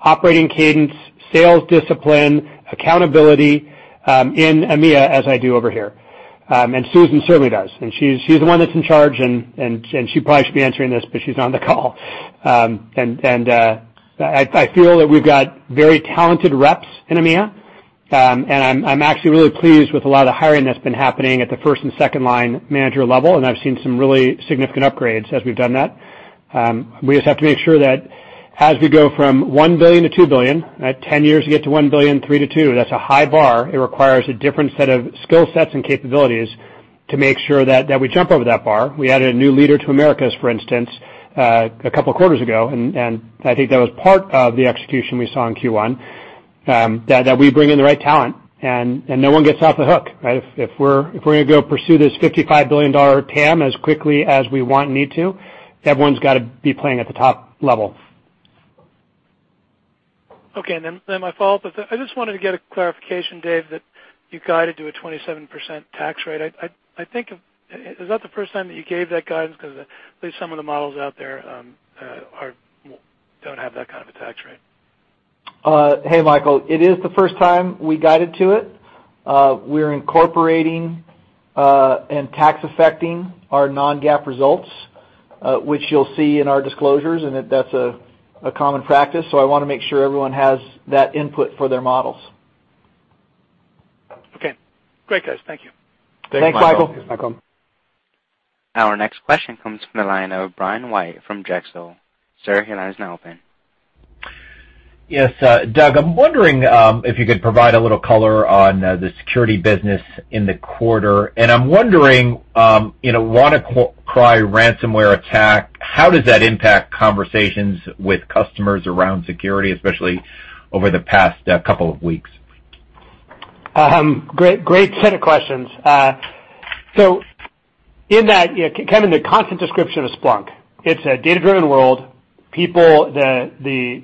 [SPEAKER 3] operating cadence, sales discipline, accountability in EMEA as I do over here. Susan certainly does, and she's the one that's in charge, and she probably should be answering this, but she's on the call. I feel that we've got very talented reps in EMEA, I'm actually really pleased with a lot of hiring that's been happening at the first and second line manager level, I've seen some really significant upgrades as we've done that. We just have to make sure that as we go from $1 billion to $2 billion, 10 years to get to $1 billion, three to two, that's a high bar. It requires a different set of skill sets and capabilities to make sure that we jump over that bar. We added a new leader to Americas, for instance, a couple of quarters ago, I think that was part of the execution we saw in Q1, no one gets off the hook, right? If we're going to go pursue this $55 billion TAM as quickly as we want and need to, everyone's got to be playing at the top level.
[SPEAKER 11] Okay. My fault, I just wanted to get a clarification, Dave, that you guided to a 27% tax rate. Is that the first time that you gave that guidance? At least some of the models out there don't have that kind of a tax rate.
[SPEAKER 4] Hey, Michael. It is the first time we guided to it. We're incorporating and tax affecting our non-GAAP results, which you'll see in our disclosures, that's a common practice. I want to make sure everyone has that input for their models.
[SPEAKER 11] Okay, great guys. Thank you.
[SPEAKER 3] Thanks, Michael.
[SPEAKER 2] Thanks, Michael.
[SPEAKER 1] Our next question comes from the line of Brian White from Drexel. Sir, your line is now open.
[SPEAKER 12] Yes, Doug, I'm wondering if you could provide a little color on the security business in the quarter, and I'm wondering, WannaCry ransomware attack, how does that impact conversations with customers around security, especially over the past couple of weeks?
[SPEAKER 3] Great set of questions. In that, kind of the constant description of Splunk, it's a data-driven world. The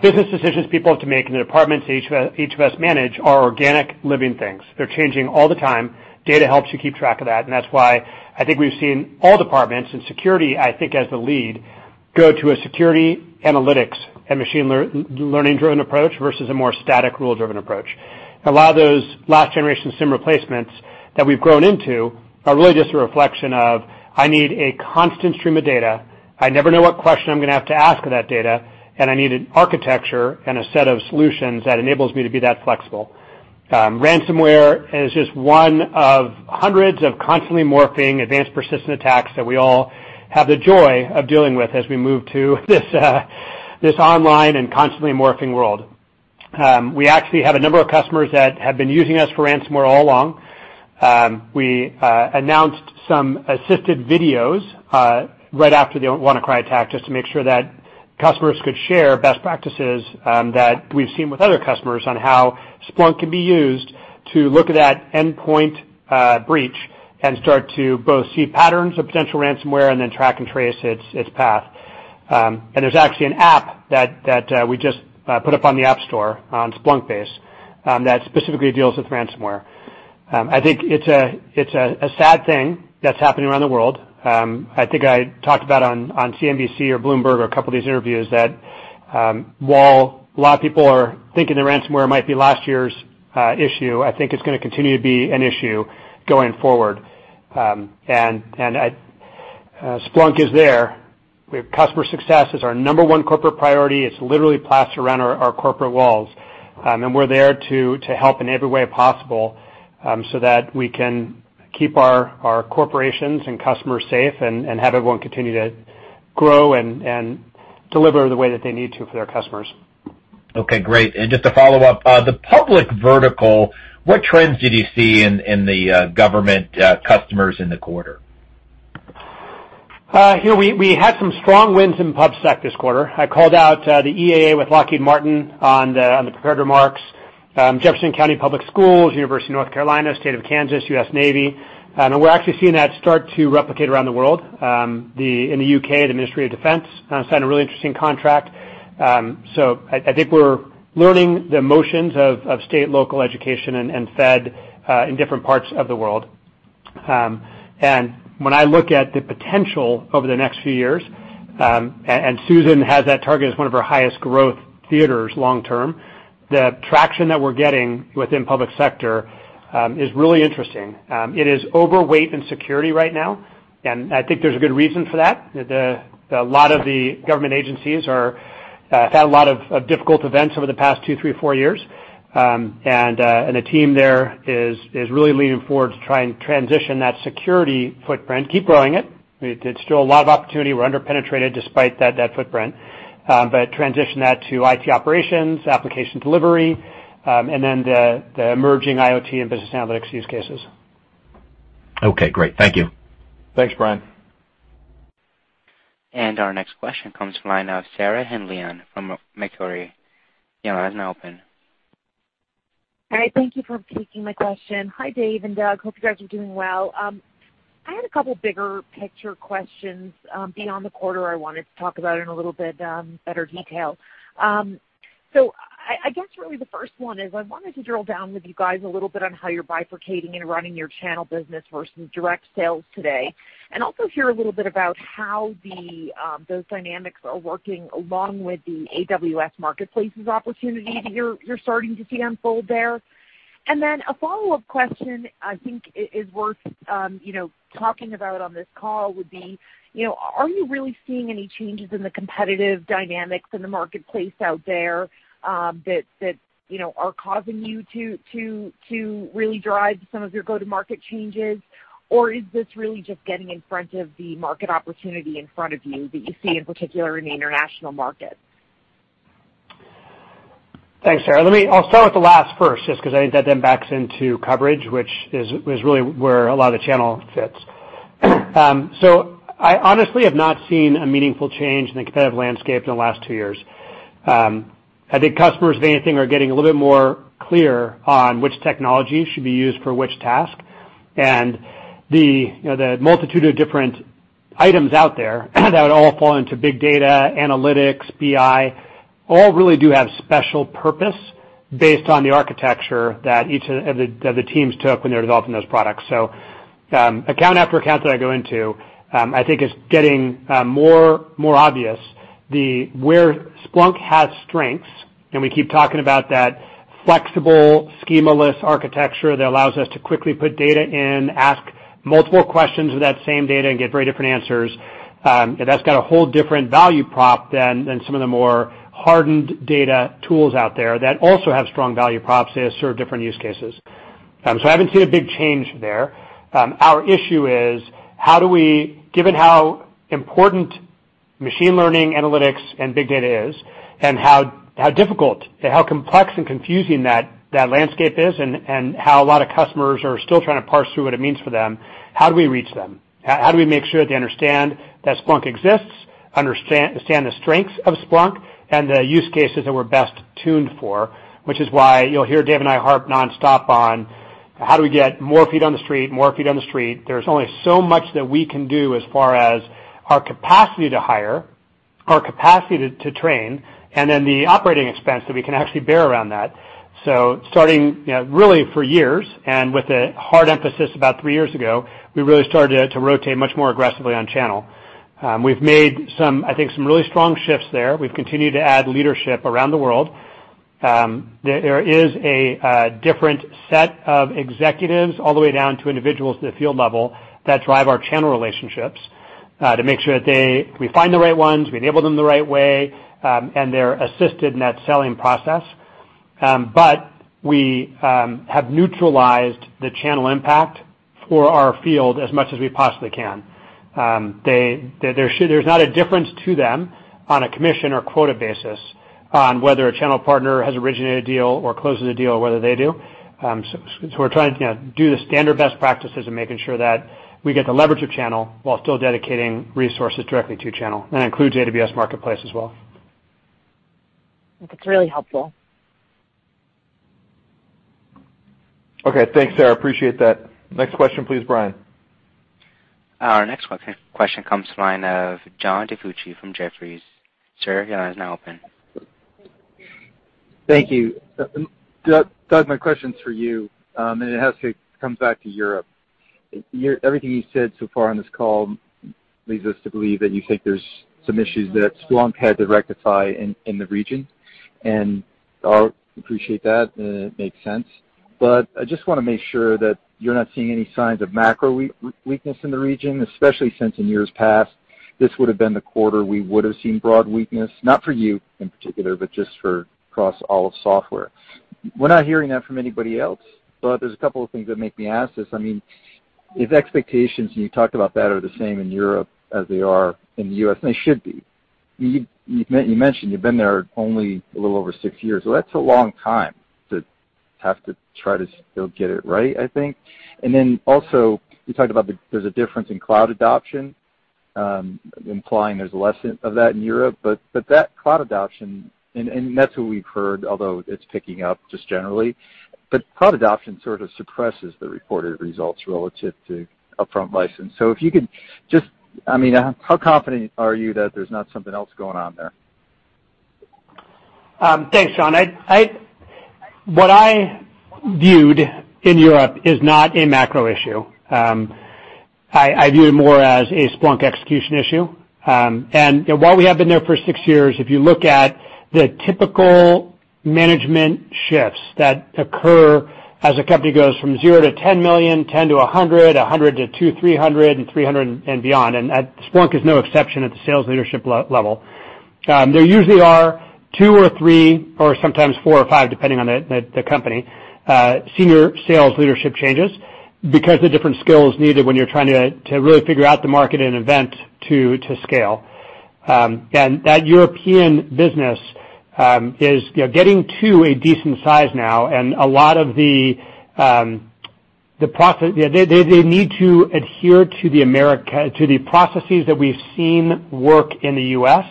[SPEAKER 3] business decisions people have to make in the departments each of us manage are organic, living things. They're changing all the time. Data helps you keep track of that, and that's why I think we've seen all departments, and security, I think, as the lead, go to a security analytics and machine learning-driven approach versus a more static, rule-driven approach. A lot of those last generation SIEM replacements that we've grown into are really just a reflection of, I need a constant stream of data. I never know what question I'm going to have to ask of that data, and I need an architecture and a set of solutions that enables me to be that flexible. Ransomware is just one of hundreds of constantly morphing advanced persistent attacks that we all have the joy of dealing with as we move to this online and constantly morphing world. We actually have a number of customers that have been using us for ransomware all along. We announced some assisted videos right after the WannaCry attack just to make sure that customers could share best practices that we've seen with other customers on how Splunk can be used to look at that endpoint breach and start to both see patterns of potential ransomware and then track and trace its path. There's actually an app that we just put up on the App Store on Splunkbase that specifically deals with ransomware. I think it's a sad thing that's happening around the world. I think I talked about on CNBC or Bloomberg or a couple of these interviews that while a lot of people are thinking the ransomware might be last year's issue, I think it's going to continue to be an issue going forward. Splunk is there. Customer success is our number one corporate priority. It's literally plastered around our corporate walls, and we're there to help in every way possible so that we can keep our corporations and customers safe and have everyone continue to grow and deliver the way that they need to for their customers.
[SPEAKER 12] Okay, great. Just to follow up, the public vertical, what trends did you see in the government customers in the quarter?
[SPEAKER 3] We had some strong wins in the pub sec this quarter. I called out the EAA with Lockheed Martin on the prepared remarks. Jefferson County Public Schools, University of North Carolina, State of Kansas, U.S. Navy. We're actually seeing that start to replicate around the world. In the UK, the Ministry of Defence signed a really interesting contract. I think we're learning the motions of state, local education, and fed in different parts of the world. When I look at the potential over the next few years, Susan has that target as one of our highest growth theaters long term, the traction that we're getting within public sector is really interesting. It is overweight in security right now, and I think there's a good reason for that. A lot of the government agencies have had a lot of difficult events over the past two, three, four years. The team there is really leaning forward to try and transition that security footprint, keep growing it. There's still a lot of opportunity. We're under-penetrated despite that footprint. Transition that to IT operations, application delivery, and then the emerging IoT and business analytics use cases.
[SPEAKER 12] Okay, great. Thank you.
[SPEAKER 3] Thanks, Brian.
[SPEAKER 1] Our next question comes from the line of Sarah Hindlian from Macquarie. Your line is now open.
[SPEAKER 13] All right. Thank you for taking my question. Hi, Dave and Doug. Hope you guys are doing well. I had a couple bigger picture questions beyond the quarter I wanted to talk about in a little bit better detail. I guess really the first one is I wanted to drill down with you guys a little bit on how you're bifurcating and running your channel business versus direct sales today, and also hear a little bit about how those dynamics are working along with the AWS Marketplace's opportunity that you're starting to see unfold there. A follow-up question I think is worth talking about on this call would be, are you really seeing any changes in the competitive dynamics in the marketplace out there that are causing you to really drive some of your go-to-market changes? Is this really just getting in front of the market opportunity in front of you that you see in particular in the international markets?
[SPEAKER 3] Thanks, Sarah. I'll start with the last first, just because I think that then backs into coverage, which is really where a lot of the channel fits. I honestly have not seen a meaningful change in the competitive landscape in the last two years. I think customers, if anything, are getting a little bit more clear on which technology should be used for which task. The multitude of different items out there that would all fall into big data, analytics, BI, all really do have special purpose based on the architecture that each of the teams took when they were developing those products. Account after account that I go into, I think it's getting more obvious where Splunk has strengths, and we keep talking about that flexible schemaless architecture that allows us to quickly put data in, ask multiple questions of that same data, and get very different answers. That's got a whole different value prop than some of the more hardened data tools out there that also have strong value props. They serve different use cases. I haven't seen a big change there. Our issue is how do we, given how important machine learning, analytics, and big data is, and how difficult and how complex and confusing that landscape is, and how a lot of customers are still trying to parse through what it means for them, how do we reach them? How do we make sure that they understand that Splunk exists, understand the strengths of Splunk, and the use cases that we're best tuned for? Which is why you'll hear Dave and I harp nonstop on how do we get more feet on the street, more feet on the street. There's only so much that we can do as far as our capacity to hire, our capacity to train, and then the operating expense that we can actually bear around that. Starting really for years, with a hard emphasis about three years ago, we really started to rotate much more aggressively on channel. We've made I think some really strong shifts there. We've continued to add leadership around the world. There is a different set of executives all the way down to individuals at the field level that drive our channel relationships, to make sure that we find the right ones, we enable them the right way, and they're assisted in that selling process. We have neutralized the channel impact for our field as much as we possibly can. There's not a difference to them on a commission or quota basis on whether a channel partner has originated a deal or closes a deal, or whether they do. We're trying to do the standard best practices and making sure that we get the leverage of channel while still dedicating resources directly to channel. That includes AWS Marketplace as well.
[SPEAKER 13] That's really helpful.
[SPEAKER 2] Okay, thanks, Sarah, appreciate that. Next question, please, Brian.
[SPEAKER 1] Our next question comes from the line of John DiFucci from Jefferies. Sir, your line is now open.
[SPEAKER 14] Thank you. Doug, my question's for you, and it comes back to Europe. Everything you said so far on this call leads us to believe that you think there's some issues that Splunk had to rectify in the region, and I appreciate that, and it makes sense. I just want to make sure that you're not seeing any signs of macro weakness in the region, especially since in years past, this would have been the quarter we would have seen broad weakness, not for you in particular, but just for across all of software. We're not hearing that from anybody else, but there's a couple of things that make me ask this. If expectations, and you talked about that, are the same in Europe as they are in the U.S., and they should be. You mentioned you've been there only a little over six years. Well, that's a long time to have to try to still get it right, I think. Then also you talked about there's a difference in cloud adoption, implying there's less of that in Europe. That's what we've heard, although it's picking up just generally. Cloud adoption sort of suppresses the reported results relative to upfront license. How confident are you that there's not something else going on there?
[SPEAKER 3] Thanks, John. What I viewed in Europe is not a macro issue. I view it more as a Splunk execution issue. While we have been there for six years, if you look at the typical management shifts that occur as a company goes from zero to $10 million, $10 to $100, $100 to $200, $300, and $300 and beyond, Splunk is no exception at the sales leadership level. There usually are two or three, or sometimes four or five, depending on the company, senior sales leadership changes because the different skills needed when you're trying to really figure out the market and event to scale. That European business is getting to a decent size now, and they need to adhere to the processes that we've seen work in the U.S.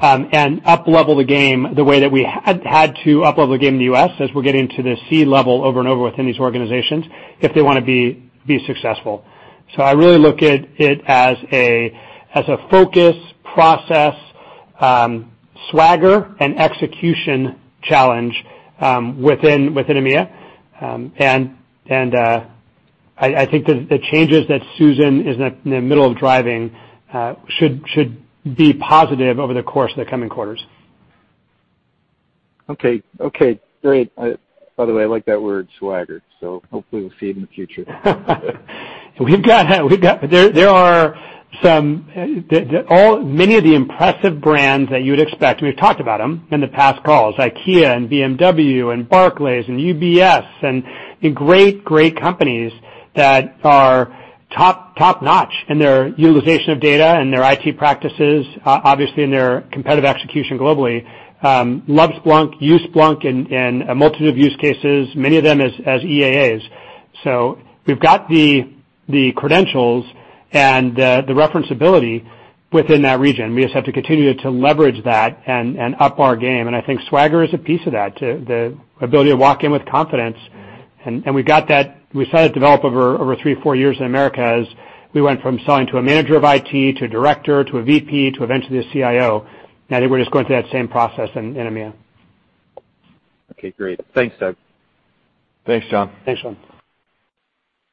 [SPEAKER 3] and up-level the game the way that we had to up-level the game in the U.S. as we're getting to the C-level over and over within these organizations if they want to be successful. I really look at it as a focus, process, swagger, and execution challenge within EMEA. I think the changes that Susan is in the middle of driving should be positive over the course of the coming quarters.
[SPEAKER 14] Okay. Great. By the way, I like that word swagger, hopefully we'll see it in the future.
[SPEAKER 3] There are many of the impressive brands that you would expect. We've talked about them in the past calls, IKEA and BMW and Barclays and UBS and great companies that are top-notch in their utilization of data and their IT practices, obviously in their competitive execution globally. Love Splunk, use Splunk in a multitude of use cases, many of them as EAAs. We've got the credentials and the reference ability within that region. We just have to continue to leverage that and up our game. I think swagger is a piece of that, the ability to walk in with confidence. We saw that develop over three, four years in the U.S. as we went from selling to a manager of IT, to a director, to a VP, to eventually a CIO. I think we're just going through that same process in EMEA.
[SPEAKER 14] Okay, great. Thanks, Doug.
[SPEAKER 4] Thanks, John.
[SPEAKER 14] Thanks, John.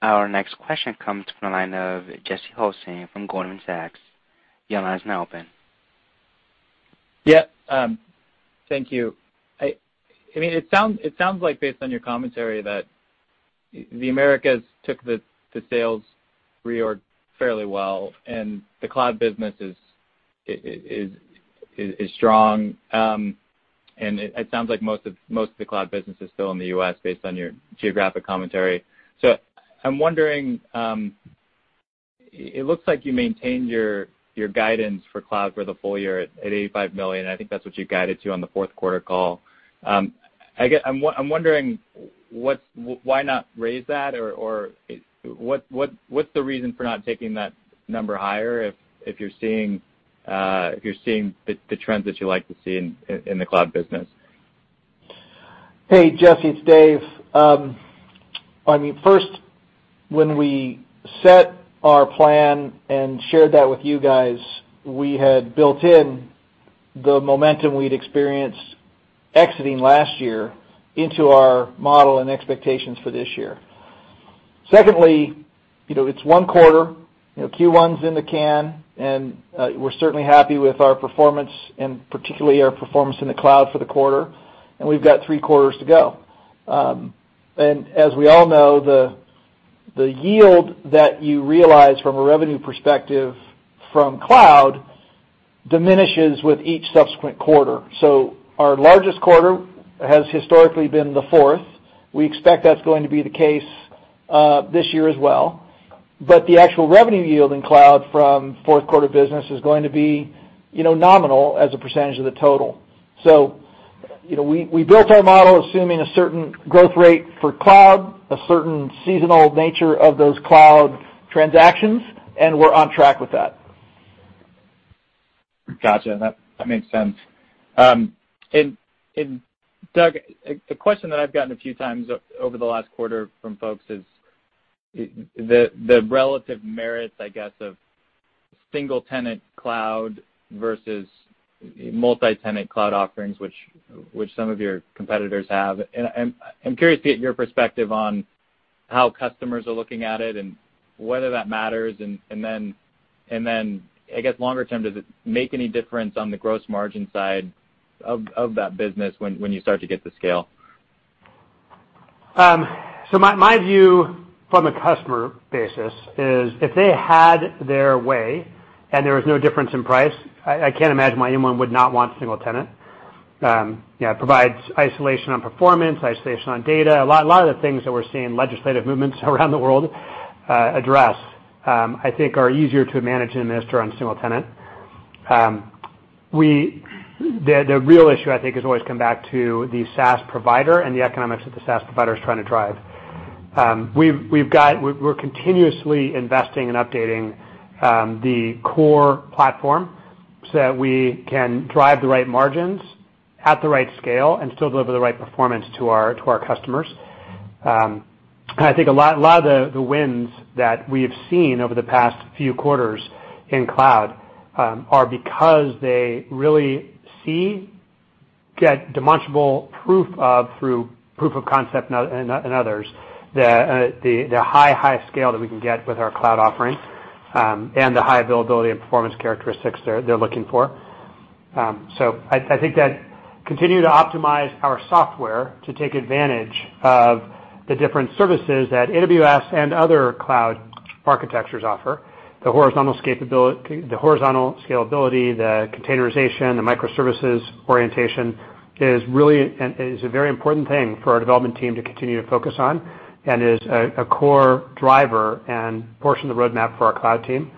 [SPEAKER 1] Our next question comes from the line of Jesse Hulsing from Goldman Sachs. Your line is now open.
[SPEAKER 15] Yeah. Thank you. It sounds like based on your commentary that the Americas took the sales reorg fairly well, and the cloud business is strong. It sounds like most of the cloud business is still in the U.S. based on your geographic commentary. I'm wondering, it looks like you maintained your guidance for cloud for the full year at $85 million. I think that's what you guided to on the fourth quarter call. I'm wondering, why not raise that, or what's the reason for not taking that number higher if you're seeing the trends that you like to see in the cloud business?
[SPEAKER 4] Hey, Jesse, it's Dave. First, when we set our plan and shared that with you guys, we had built in the momentum we'd experienced exiting last year into our model and expectations for this year. Secondly, it's one quarter. Q1 is in the can, and we're certainly happy with our performance, and particularly our performance in the cloud for the quarter, and we've got three quarters to go. As we all know, the yield that you realize from a revenue perspective from cloud diminishes with each subsequent quarter. Our largest quarter has historically been the fourth. We expect that's going to be the case this year as well. The actual revenue yield in cloud from fourth quarter business is going to be nominal as a percentage of the total. We built our model assuming a certain growth rate for cloud, a certain seasonal nature of those cloud transactions, and we're on track with that.
[SPEAKER 15] Got you. That makes sense. Doug, a question that I've gotten a few times over the last quarter from folks is the relative merits, I guess, of single-tenant cloud versus multi-tenant cloud offerings, which some of your competitors have. I'm curious to get your perspective on how customers are looking at it and whether that matters. Then, I guess, longer term, does it make any difference on the gross margin side of that business when you start to get to scale?
[SPEAKER 3] My view from a customer basis is if they had their way and there was no difference in price, I can't imagine why anyone would not want single tenant. It provides isolation on performance, isolation on data. A lot of the things that we're seeing legislative movements around the world address, I think are easier to manage and administer on single tenant. The real issue, I think, has always come back to the SaaS provider and the economics that the SaaS provider is trying to drive. We're continuously investing and updating the core platform so that we can drive the right margins at the right scale and still deliver the right performance to our customers. I think a lot of the wins that we have seen over the past few quarters in cloud are because they really see, get demonstrable proof of through proof of concept and others, the high scale that we can get with our cloud offerings, and the high availability and performance characteristics they're looking for. I think that continue to optimize our software to take advantage of the different services that AWS and other cloud architectures offer. The horizontal scalability, the containerization, the microservices orientation is a very important thing for our development team to continue to focus on and is a core driver and portion of the roadmap for our cloud team.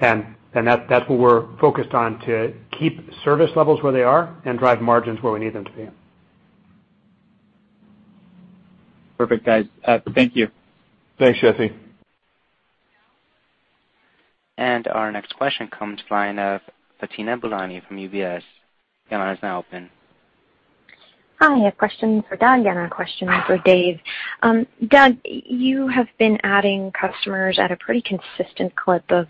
[SPEAKER 3] That's what we're focused on to keep service levels where they are and drive margins where we need them to be.
[SPEAKER 15] Perfect, guys. Thank you.
[SPEAKER 4] Thanks, Jesse.
[SPEAKER 1] Our next question comes from the line of Fatima Boolani from UBS. Your line is now open.
[SPEAKER 16] Hi. A question for Doug and a question for Dave. Doug, you have been adding customers at a pretty consistent clip of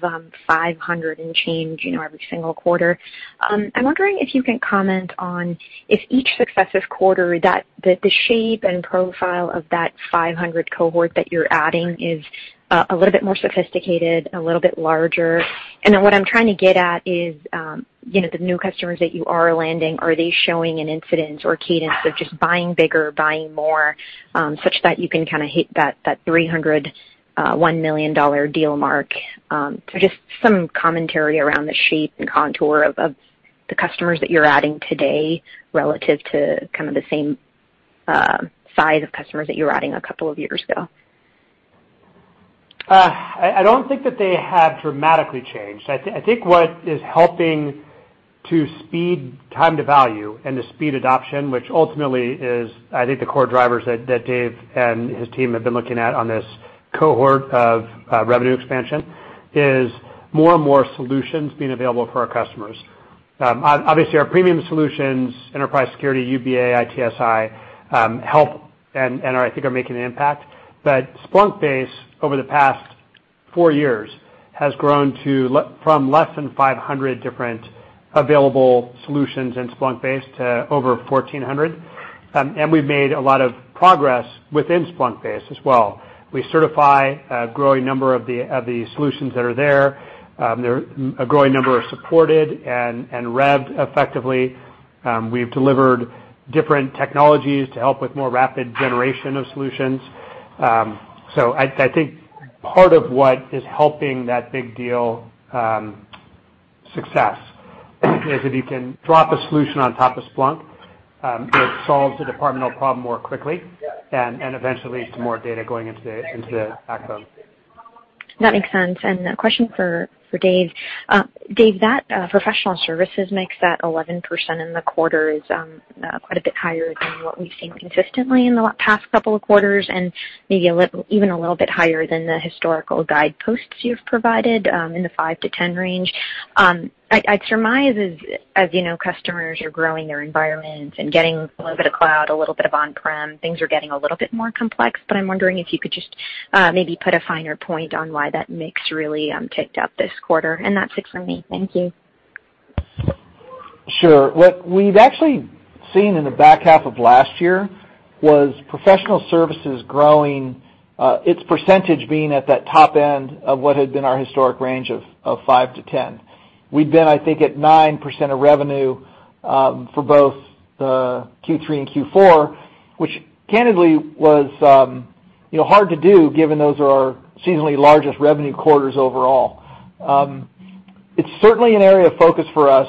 [SPEAKER 16] 500 and change, every single quarter. I'm wondering if you can comment on if each successive quarter that the shape and profile of that 500 cohort that you're adding is a little bit more sophisticated, a little bit larger. What I'm trying to get at is, the new customers that you are landing, are they showing an incidence or cadence of just buying bigger, buying more, such that you can hit that $300-$1 million deal mark? Just some commentary around the shape and contour of the customers that you're adding today relative to kind of the same size of customers that you were adding a couple of years ago.
[SPEAKER 3] I don't think that they have dramatically changed. I think what is helping to speed time to value and to speed adoption, which ultimately is, I think, the core drivers that Dave and his team have been looking at on this cohort of revenue expansion, is more and more solutions being available for our customers. Obviously our premium solutions, Enterprise Security, UBA, ITSI help and I think are making an impact. Splunkbase, over the past four years, has grown from less than 500 different available solutions in Splunkbase to over 1,400. We've made a lot of progress within Splunkbase as well. We certify a growing number of the solutions that are there. A growing number are supported and revved effectively. We've delivered different technologies to help with more rapid generation of solutions. I think part of what is helping that big deal success is if you can drop a solution on top of Splunk, it solves a departmental problem more quickly and eventually leads to more data going into the backbone.
[SPEAKER 16] That makes sense. A question for Dave. Dave, that professional services mix at 11% in the quarter is quite a bit higher than what we've seen consistently in the past couple of quarters, and maybe even a little bit higher than the historical guideposts you've provided, in the 5%-10% range. I'd surmise as customers are growing their environment and getting a little bit of cloud, a little bit of on-prem, things are getting a little bit more complex. I'm wondering if you could just maybe put a finer point on why that mix really ticked up this quarter. That's it for me. Thank you.
[SPEAKER 4] Sure. What we've actually seen in the back half of last year was professional services growing, its percentage being at that top end of what had been our historic range of 5%-10%. We'd been, I think, at 9% of revenue for both Q3 and Q4, which candidly was hard to do given those are our seasonally largest revenue quarters overall. It's certainly an area of focus for us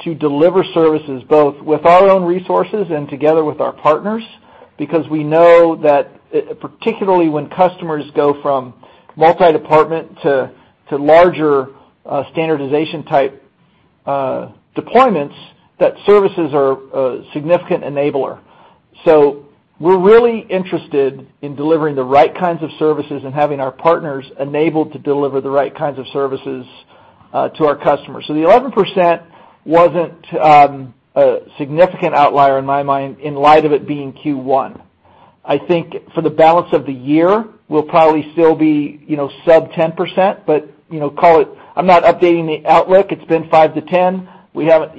[SPEAKER 4] to deliver services both with our own resources and together with our partners, because we know that particularly when customers go from multi-department to larger standardization type deployments, that services are a significant enabler. We're really interested in delivering the right kinds of services and having our partners enabled to deliver the right kinds of services to our customers. The 11% wasn't a significant outlier in my mind, in light of it being Q1. I think for the balance of the year, we'll probably still be sub-10%, but call it, I'm not updating the outlook. It's been 5%-10%. We have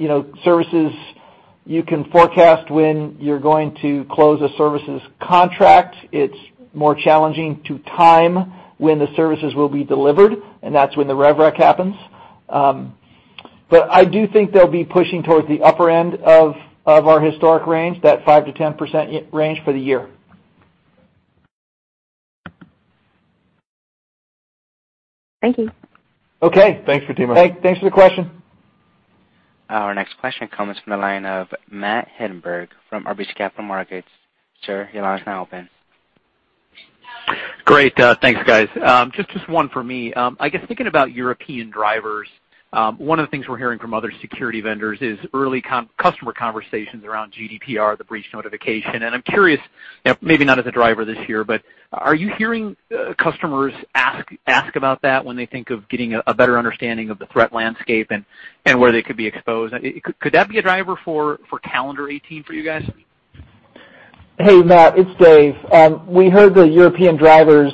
[SPEAKER 4] services you can forecast when you're going to close a services contract. It's more challenging to time when the services will be delivered, and that's when the rev rec happens. I do think they'll be pushing towards the upper end of our historic range, that 5%-10% range for the year.
[SPEAKER 16] Thank you.
[SPEAKER 4] Okay.
[SPEAKER 3] Thanks, Fatima.
[SPEAKER 4] Hey, thanks for the question.
[SPEAKER 1] Our next question comes from the line of Matt Hedberg from RBC Capital Markets. Sir, your line is now open.
[SPEAKER 17] Great. Thanks, guys. Just one for me. I guess thinking about European drivers, one of the things we're hearing from other security vendors is early customer conversations around GDPR, the breach notification. I'm curious, maybe not as a driver this year, but are you hearing customers ask about that when they think of getting a better understanding of the threat landscape and where they could be exposed? Could that be a driver for calendar 2018 for you guys?
[SPEAKER 4] Hey, Matt, it's Dave. We heard the European drivers,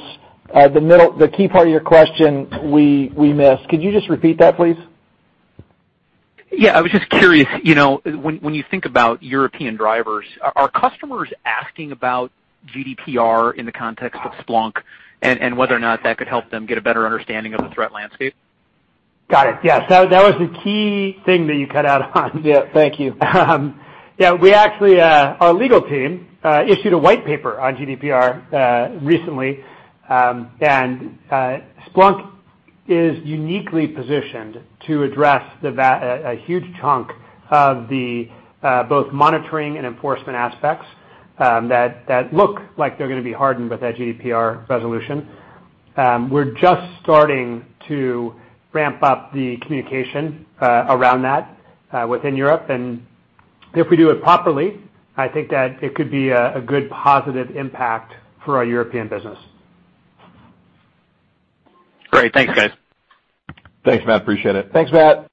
[SPEAKER 4] the key part of your question we missed. Could you just repeat that, please?
[SPEAKER 17] Yeah, I was just curious, when you think about European drivers, are customers asking about GDPR in the context of Splunk and whether or not that could help them get a better understanding of the threat landscape?
[SPEAKER 3] Got it. Yes, that was the key thing that you cut out on.
[SPEAKER 4] Yeah, thank you.
[SPEAKER 3] Our legal team issued a white paper on GDPR recently. Splunk is uniquely positioned to address a huge chunk of both monitoring and enforcement aspects that look like they're going to be hardened with that GDPR resolution. We're just starting to ramp up the communication around that within Europe. If we do it properly, I think that it could be a good positive impact for our European business.
[SPEAKER 17] Great. Thanks, guys.
[SPEAKER 4] Thanks, Matt. Appreciate it.
[SPEAKER 2] Thanks, Matt.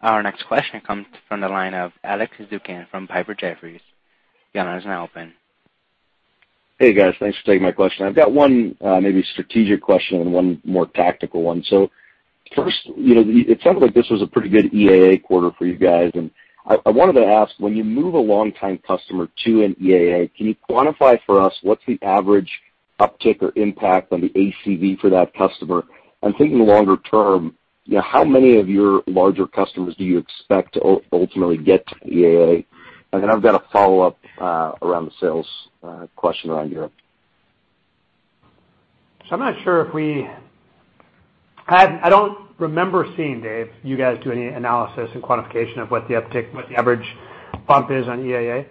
[SPEAKER 1] Our next question comes from the line of Alex Zukin from Piper Jaffray. Your line is now open.
[SPEAKER 18] Hey, guys. Thanks for taking my question. I've got one maybe strategic question and one more tactical one. First, it sounds like this was a pretty good EAA quarter for you guys. I wanted to ask, when you move a longtime customer to an EAA, can you quantify for us what's the average uptick or impact on the ACV for that customer? I'm thinking longer term, how many of your larger customers do you expect to ultimately get to EAA? Then I've got a follow-up around the sales question around Europe.
[SPEAKER 3] I'm not sure I don't remember seeing, Dave, you guys do any analysis and quantification of what the average bump is on EAA.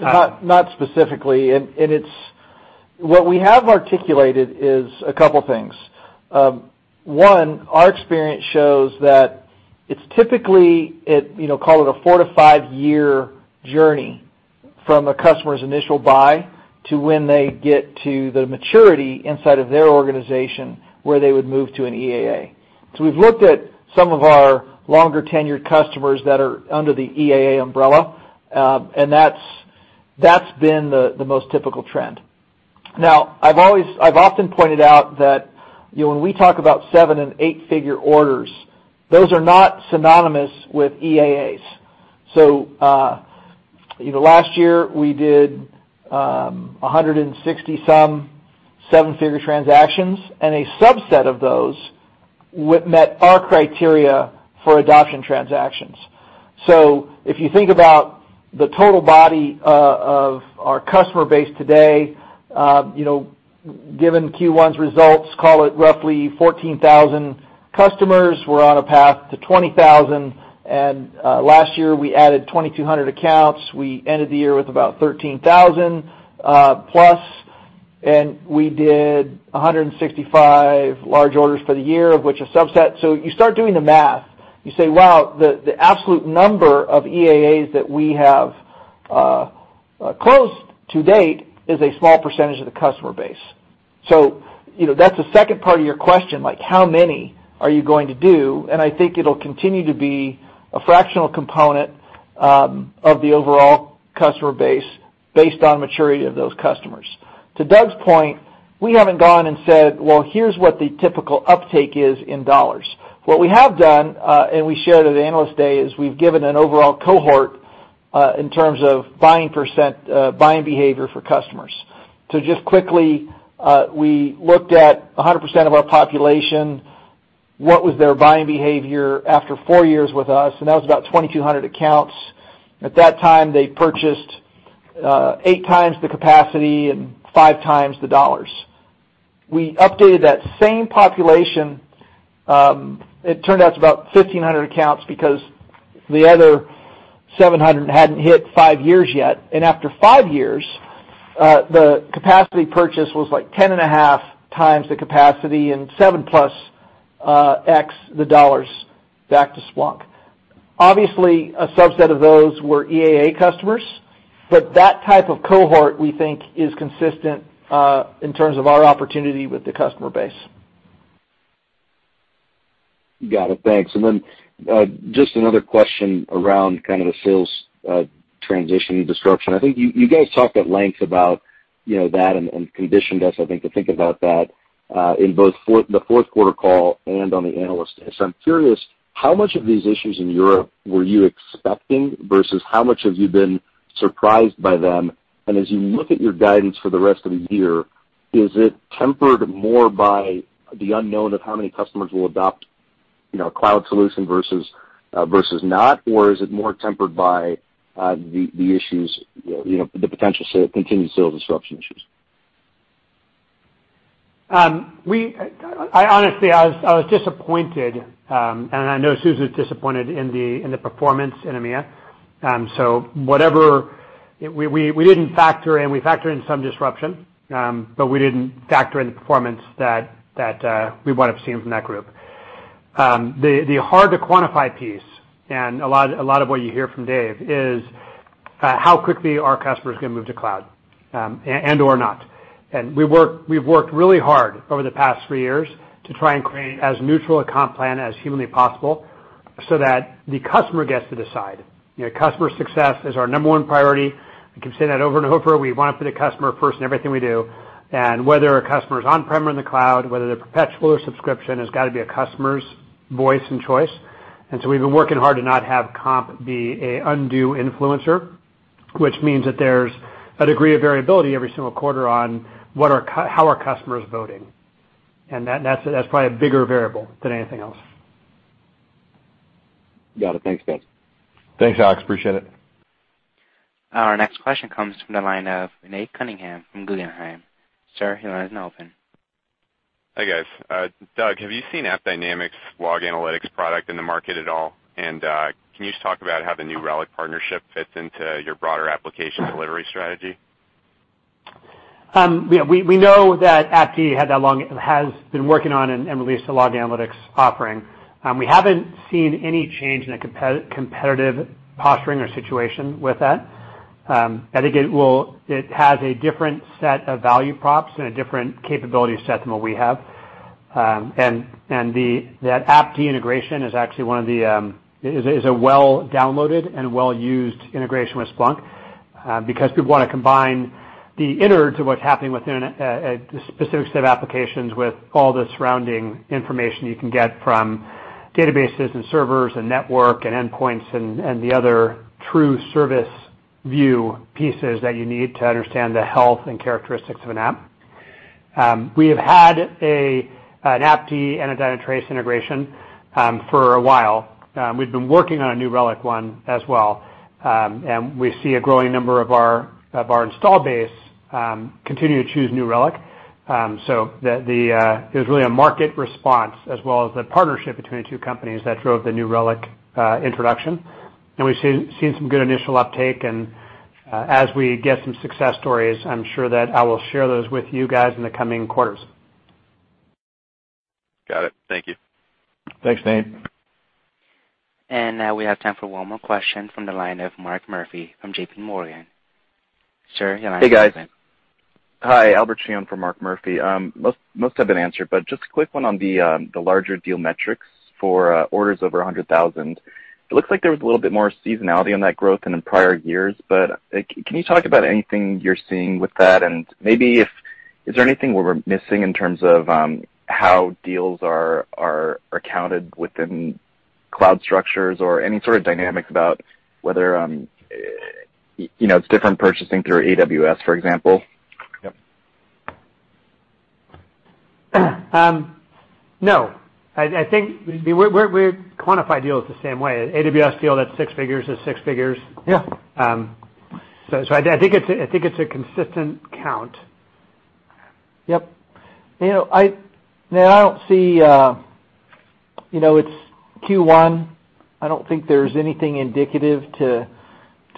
[SPEAKER 4] Not specifically. What we have articulated is a couple things. One, our experience shows that it's typically, call it a four to five-year journey from a customer's initial buy to when they get to the maturity inside of their organization, where they would move to an EAA. We've looked at some of our longer-tenured customers that are under the EAA umbrella, and that's been the most typical trend. I've often pointed out that when we talk about seven and eight-figure orders, those are not synonymous with EAAs. Last year we did 160-some seven-figure transactions, and a subset of those met our criteria for adoption transactions. If you think about the total body of our customer base today, given Q1's results, call it roughly 14,000 customers. We're on a path to 20,000, and last year we added 2,200 accounts. We ended the year with about 13,000-plus. We did 165 large orders for the year, of which a subset. You start doing the math. You say, wow, the absolute number of EAAs that we have closed to date is a small percentage of the customer base. That's the second part of your question, like how many are you going to do? I think it'll continue to be a fractional component of the overall customer base based on maturity of those customers. To Doug's point, we haven't gone and said, "Well, here's what the typical uptake is in dollars." What we have done, and we shared at the Analyst Day, is we've given an overall cohort in terms of buying behavior for customers. Just quickly, we looked at 100% of our population, what was their buying behavior after four years with us, and that was about 2,200 accounts. At that time, they purchased eight times the capacity and five times the dollars. We updated that same population. It turned out to about 1,500 accounts because the other 700 hadn't hit five years yet. After five years, the capacity purchase was like 10.5 times the capacity and seven-plus x the dollars back to Splunk. Obviously, a subset of those were EAA customers, but that type of cohort we think is consistent in terms of our opportunity with the customer base.
[SPEAKER 18] Got it. Thanks. Then just another question around kind of the sales transition disruption. I think you guys talked at length about that and conditioned us, I think, to think about that in both the fourth quarter call and on the Analyst Day. I'm curious how much of these issues in Europe were you expecting versus how much have you been surprised by them? As you look at your guidance for the rest of the year, is it tempered more by the unknown of how many customers will adopt cloud solution versus not? Or is it more tempered by the potential continued sales disruption issues?
[SPEAKER 3] Honestly, I was disappointed. I know Suze was disappointed in the performance in EMEA. We factored in some disruption. We didn't factor in the performance that we would have seen from that group. The hard to quantify piece, a lot of what you hear from Dave, is how quickly are customers going to move to cloud and/or not. We've worked really hard over the past three years to try and create as neutral a comp plan as humanly possible so that the customer gets to decide. Customer success is our number one priority. We can say that over and over. We want it for the customer first in everything we do. Whether a customer is on-prem or in the cloud, whether they're perpetual or subscription, it's got to be a customer's voice and choice. We've been working hard to not have comp be an undue influencer, which means that there's a degree of variability every single quarter on how are customers voting. That's probably a bigger variable than anything else.
[SPEAKER 18] Got it. Thanks, guys.
[SPEAKER 4] Thanks, Alex, appreciate it.
[SPEAKER 1] Our next question comes from the line of Nathaniel Cunningham from Guggenheim. Sir, your line is now open.
[SPEAKER 19] Hi, guys. Doug, have you seen AppDynamics log analytics product in the market at all? Can you just talk about how the New Relic partnership fits into your broader application delivery strategy?
[SPEAKER 3] We know that AppDynamics has been working on and released a log analytics offering. We haven't seen any change in the competitive posturing or situation with that. I think it has a different set of value props and a different capability set than what we have. That AppDynamics integration is actually a well-downloaded and well-used integration with Splunk, because people want to combine the innards of what's happening within a specific set of applications with all the surrounding information you can get from databases and servers and network and endpoints and the other true service view pieces that you need to understand the health and characteristics of an app. We have had an AppDynamics and a Dynatrace integration for a while. We've been working on a New Relic one as well. We see a growing number of our install base continue to choose New Relic. It was really a market response as well as the partnership between the two companies that drove the New Relic introduction. We've seen some good initial uptake, and as we get some success stories, I'm sure that I will share those with you guys in the coming quarters.
[SPEAKER 19] Got it. Thank you.
[SPEAKER 4] Thanks, Nate.
[SPEAKER 1] Now we have time for one more question from the line of Mark Murphy from JPMorgan. Sir, your line is open.
[SPEAKER 20] Hey, guys. Hi, Albert Chi for Mark Murphy. Most have been answered, just a quick one on the larger deal metrics for orders over $100,000. It looks like there was a little bit more seasonality on that growth than in prior years. Can you talk about anything you're seeing with that? Maybe is there anything we're missing in terms of how deals are accounted within cloud structures? Any sort of dynamics about whether it's different purchasing through AWS, for example?
[SPEAKER 4] Yep.
[SPEAKER 3] No. I think we quantify deals the same way. AWS deal that's six figures is six figures.
[SPEAKER 4] Yeah.
[SPEAKER 3] I think it's a consistent count.
[SPEAKER 4] Yep. It's Q1. I don't think there's anything indicative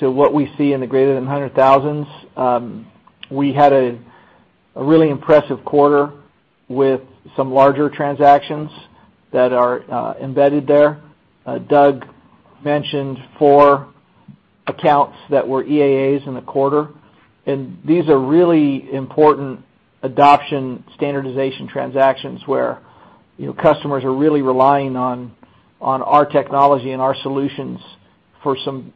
[SPEAKER 4] to what we see in the greater than 100,000s. We had a really impressive quarter with some larger transactions that are embedded there. Doug mentioned four accounts that were EAAs in the quarter, these are really important adoption standardization transactions where customers are really relying on our technology and our solutions for some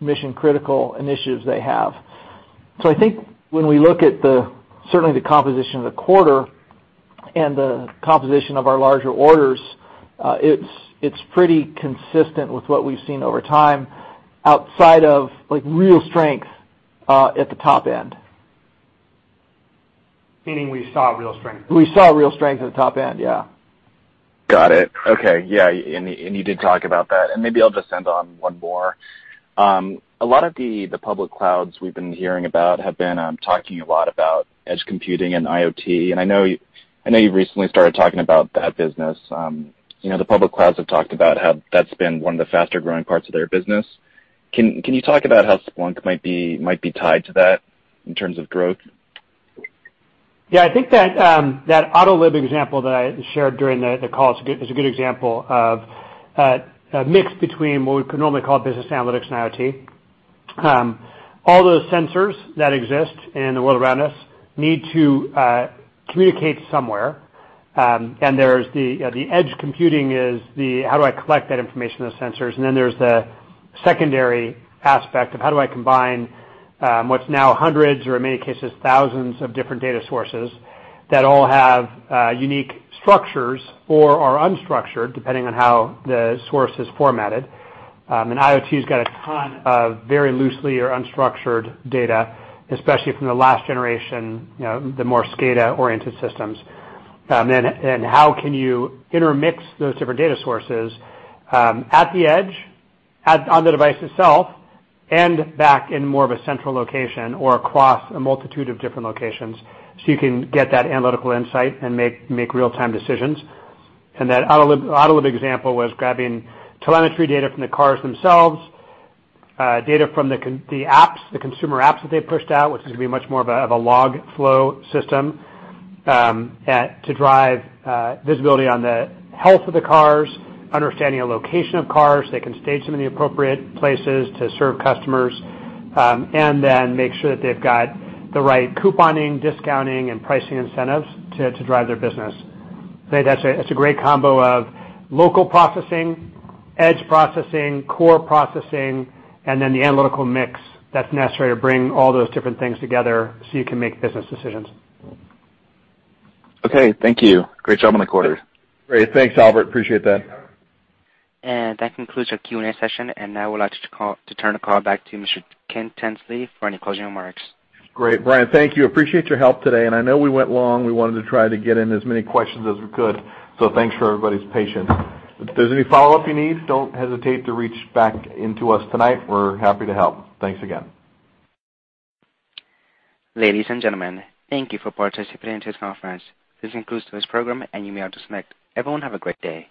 [SPEAKER 4] mission-critical initiatives they have. I think when we look at certainly the composition of the quarter and the composition of our larger orders, it's pretty consistent with what we've seen over time outside of real strength at the top end.
[SPEAKER 3] Meaning we saw real strength.
[SPEAKER 4] We saw real strength at the top end, yeah.
[SPEAKER 20] Got it. Okay. Yeah, you did talk about that. Maybe I'll just end on one more. A lot of the public clouds we've been hearing about have been talking a lot about edge computing and IoT. I know you've recently started talking about that business. The public clouds have talked about how that's been one of the faster-growing parts of their business. Can you talk about how Splunk might be tied to that in terms of growth?
[SPEAKER 3] Yeah, I think that Autoliv example that I shared during the call is a good example of a mix between what we could normally call business analytics and IoT. All those sensors that exist in the world around us need to communicate somewhere. The edge computing is the how do I collect that information, those sensors. Then there's the secondary aspect of how do I combine what's now hundreds or in many cases, thousands of different data sources that all have unique structures or are unstructured depending on how the source is formatted. IoT's got a ton of very loosely or unstructured data, especially from the last generation, the more SCADA-oriented systems. How can you intermix those different data sources at the edge, on the device itself, back in more of a central location or across a multitude of different locations so you can get that analytical insight and make real-time decisions. That Autoliv example was grabbing telemetry data from the cars themselves, data from the apps, the consumer apps that they pushed out, which is going to be much more of a log flow system, to drive visibility on the health of the cars, understanding the location of cars, so they can stage them in the appropriate places to serve customers, then make sure that they've got the right couponing, discounting, and pricing incentives to drive their business. I think that's a great combo of local processing, edge processing, core processing, and then the analytical mix that's necessary to bring all those different things together so you can make business decisions.
[SPEAKER 20] Okay. Thank you. Great job on the quarter.
[SPEAKER 4] Great. Thanks, Albert. Appreciate that.
[SPEAKER 1] That concludes our Q&A session, and I would like to turn the call back to Mr. Ken Tinsley for any closing remarks.
[SPEAKER 2] Great. Brian, thank you. Appreciate your help today. I know we went long. We wanted to try to get in as many questions as we could. Thanks for everybody's patience. If there's any follow-up you need, don't hesitate to reach back into us tonight. We're happy to help. Thanks again.
[SPEAKER 1] Ladies and gentlemen, thank you for participating in this conference. This concludes today's program. You may disconnect. Everyone have a great day.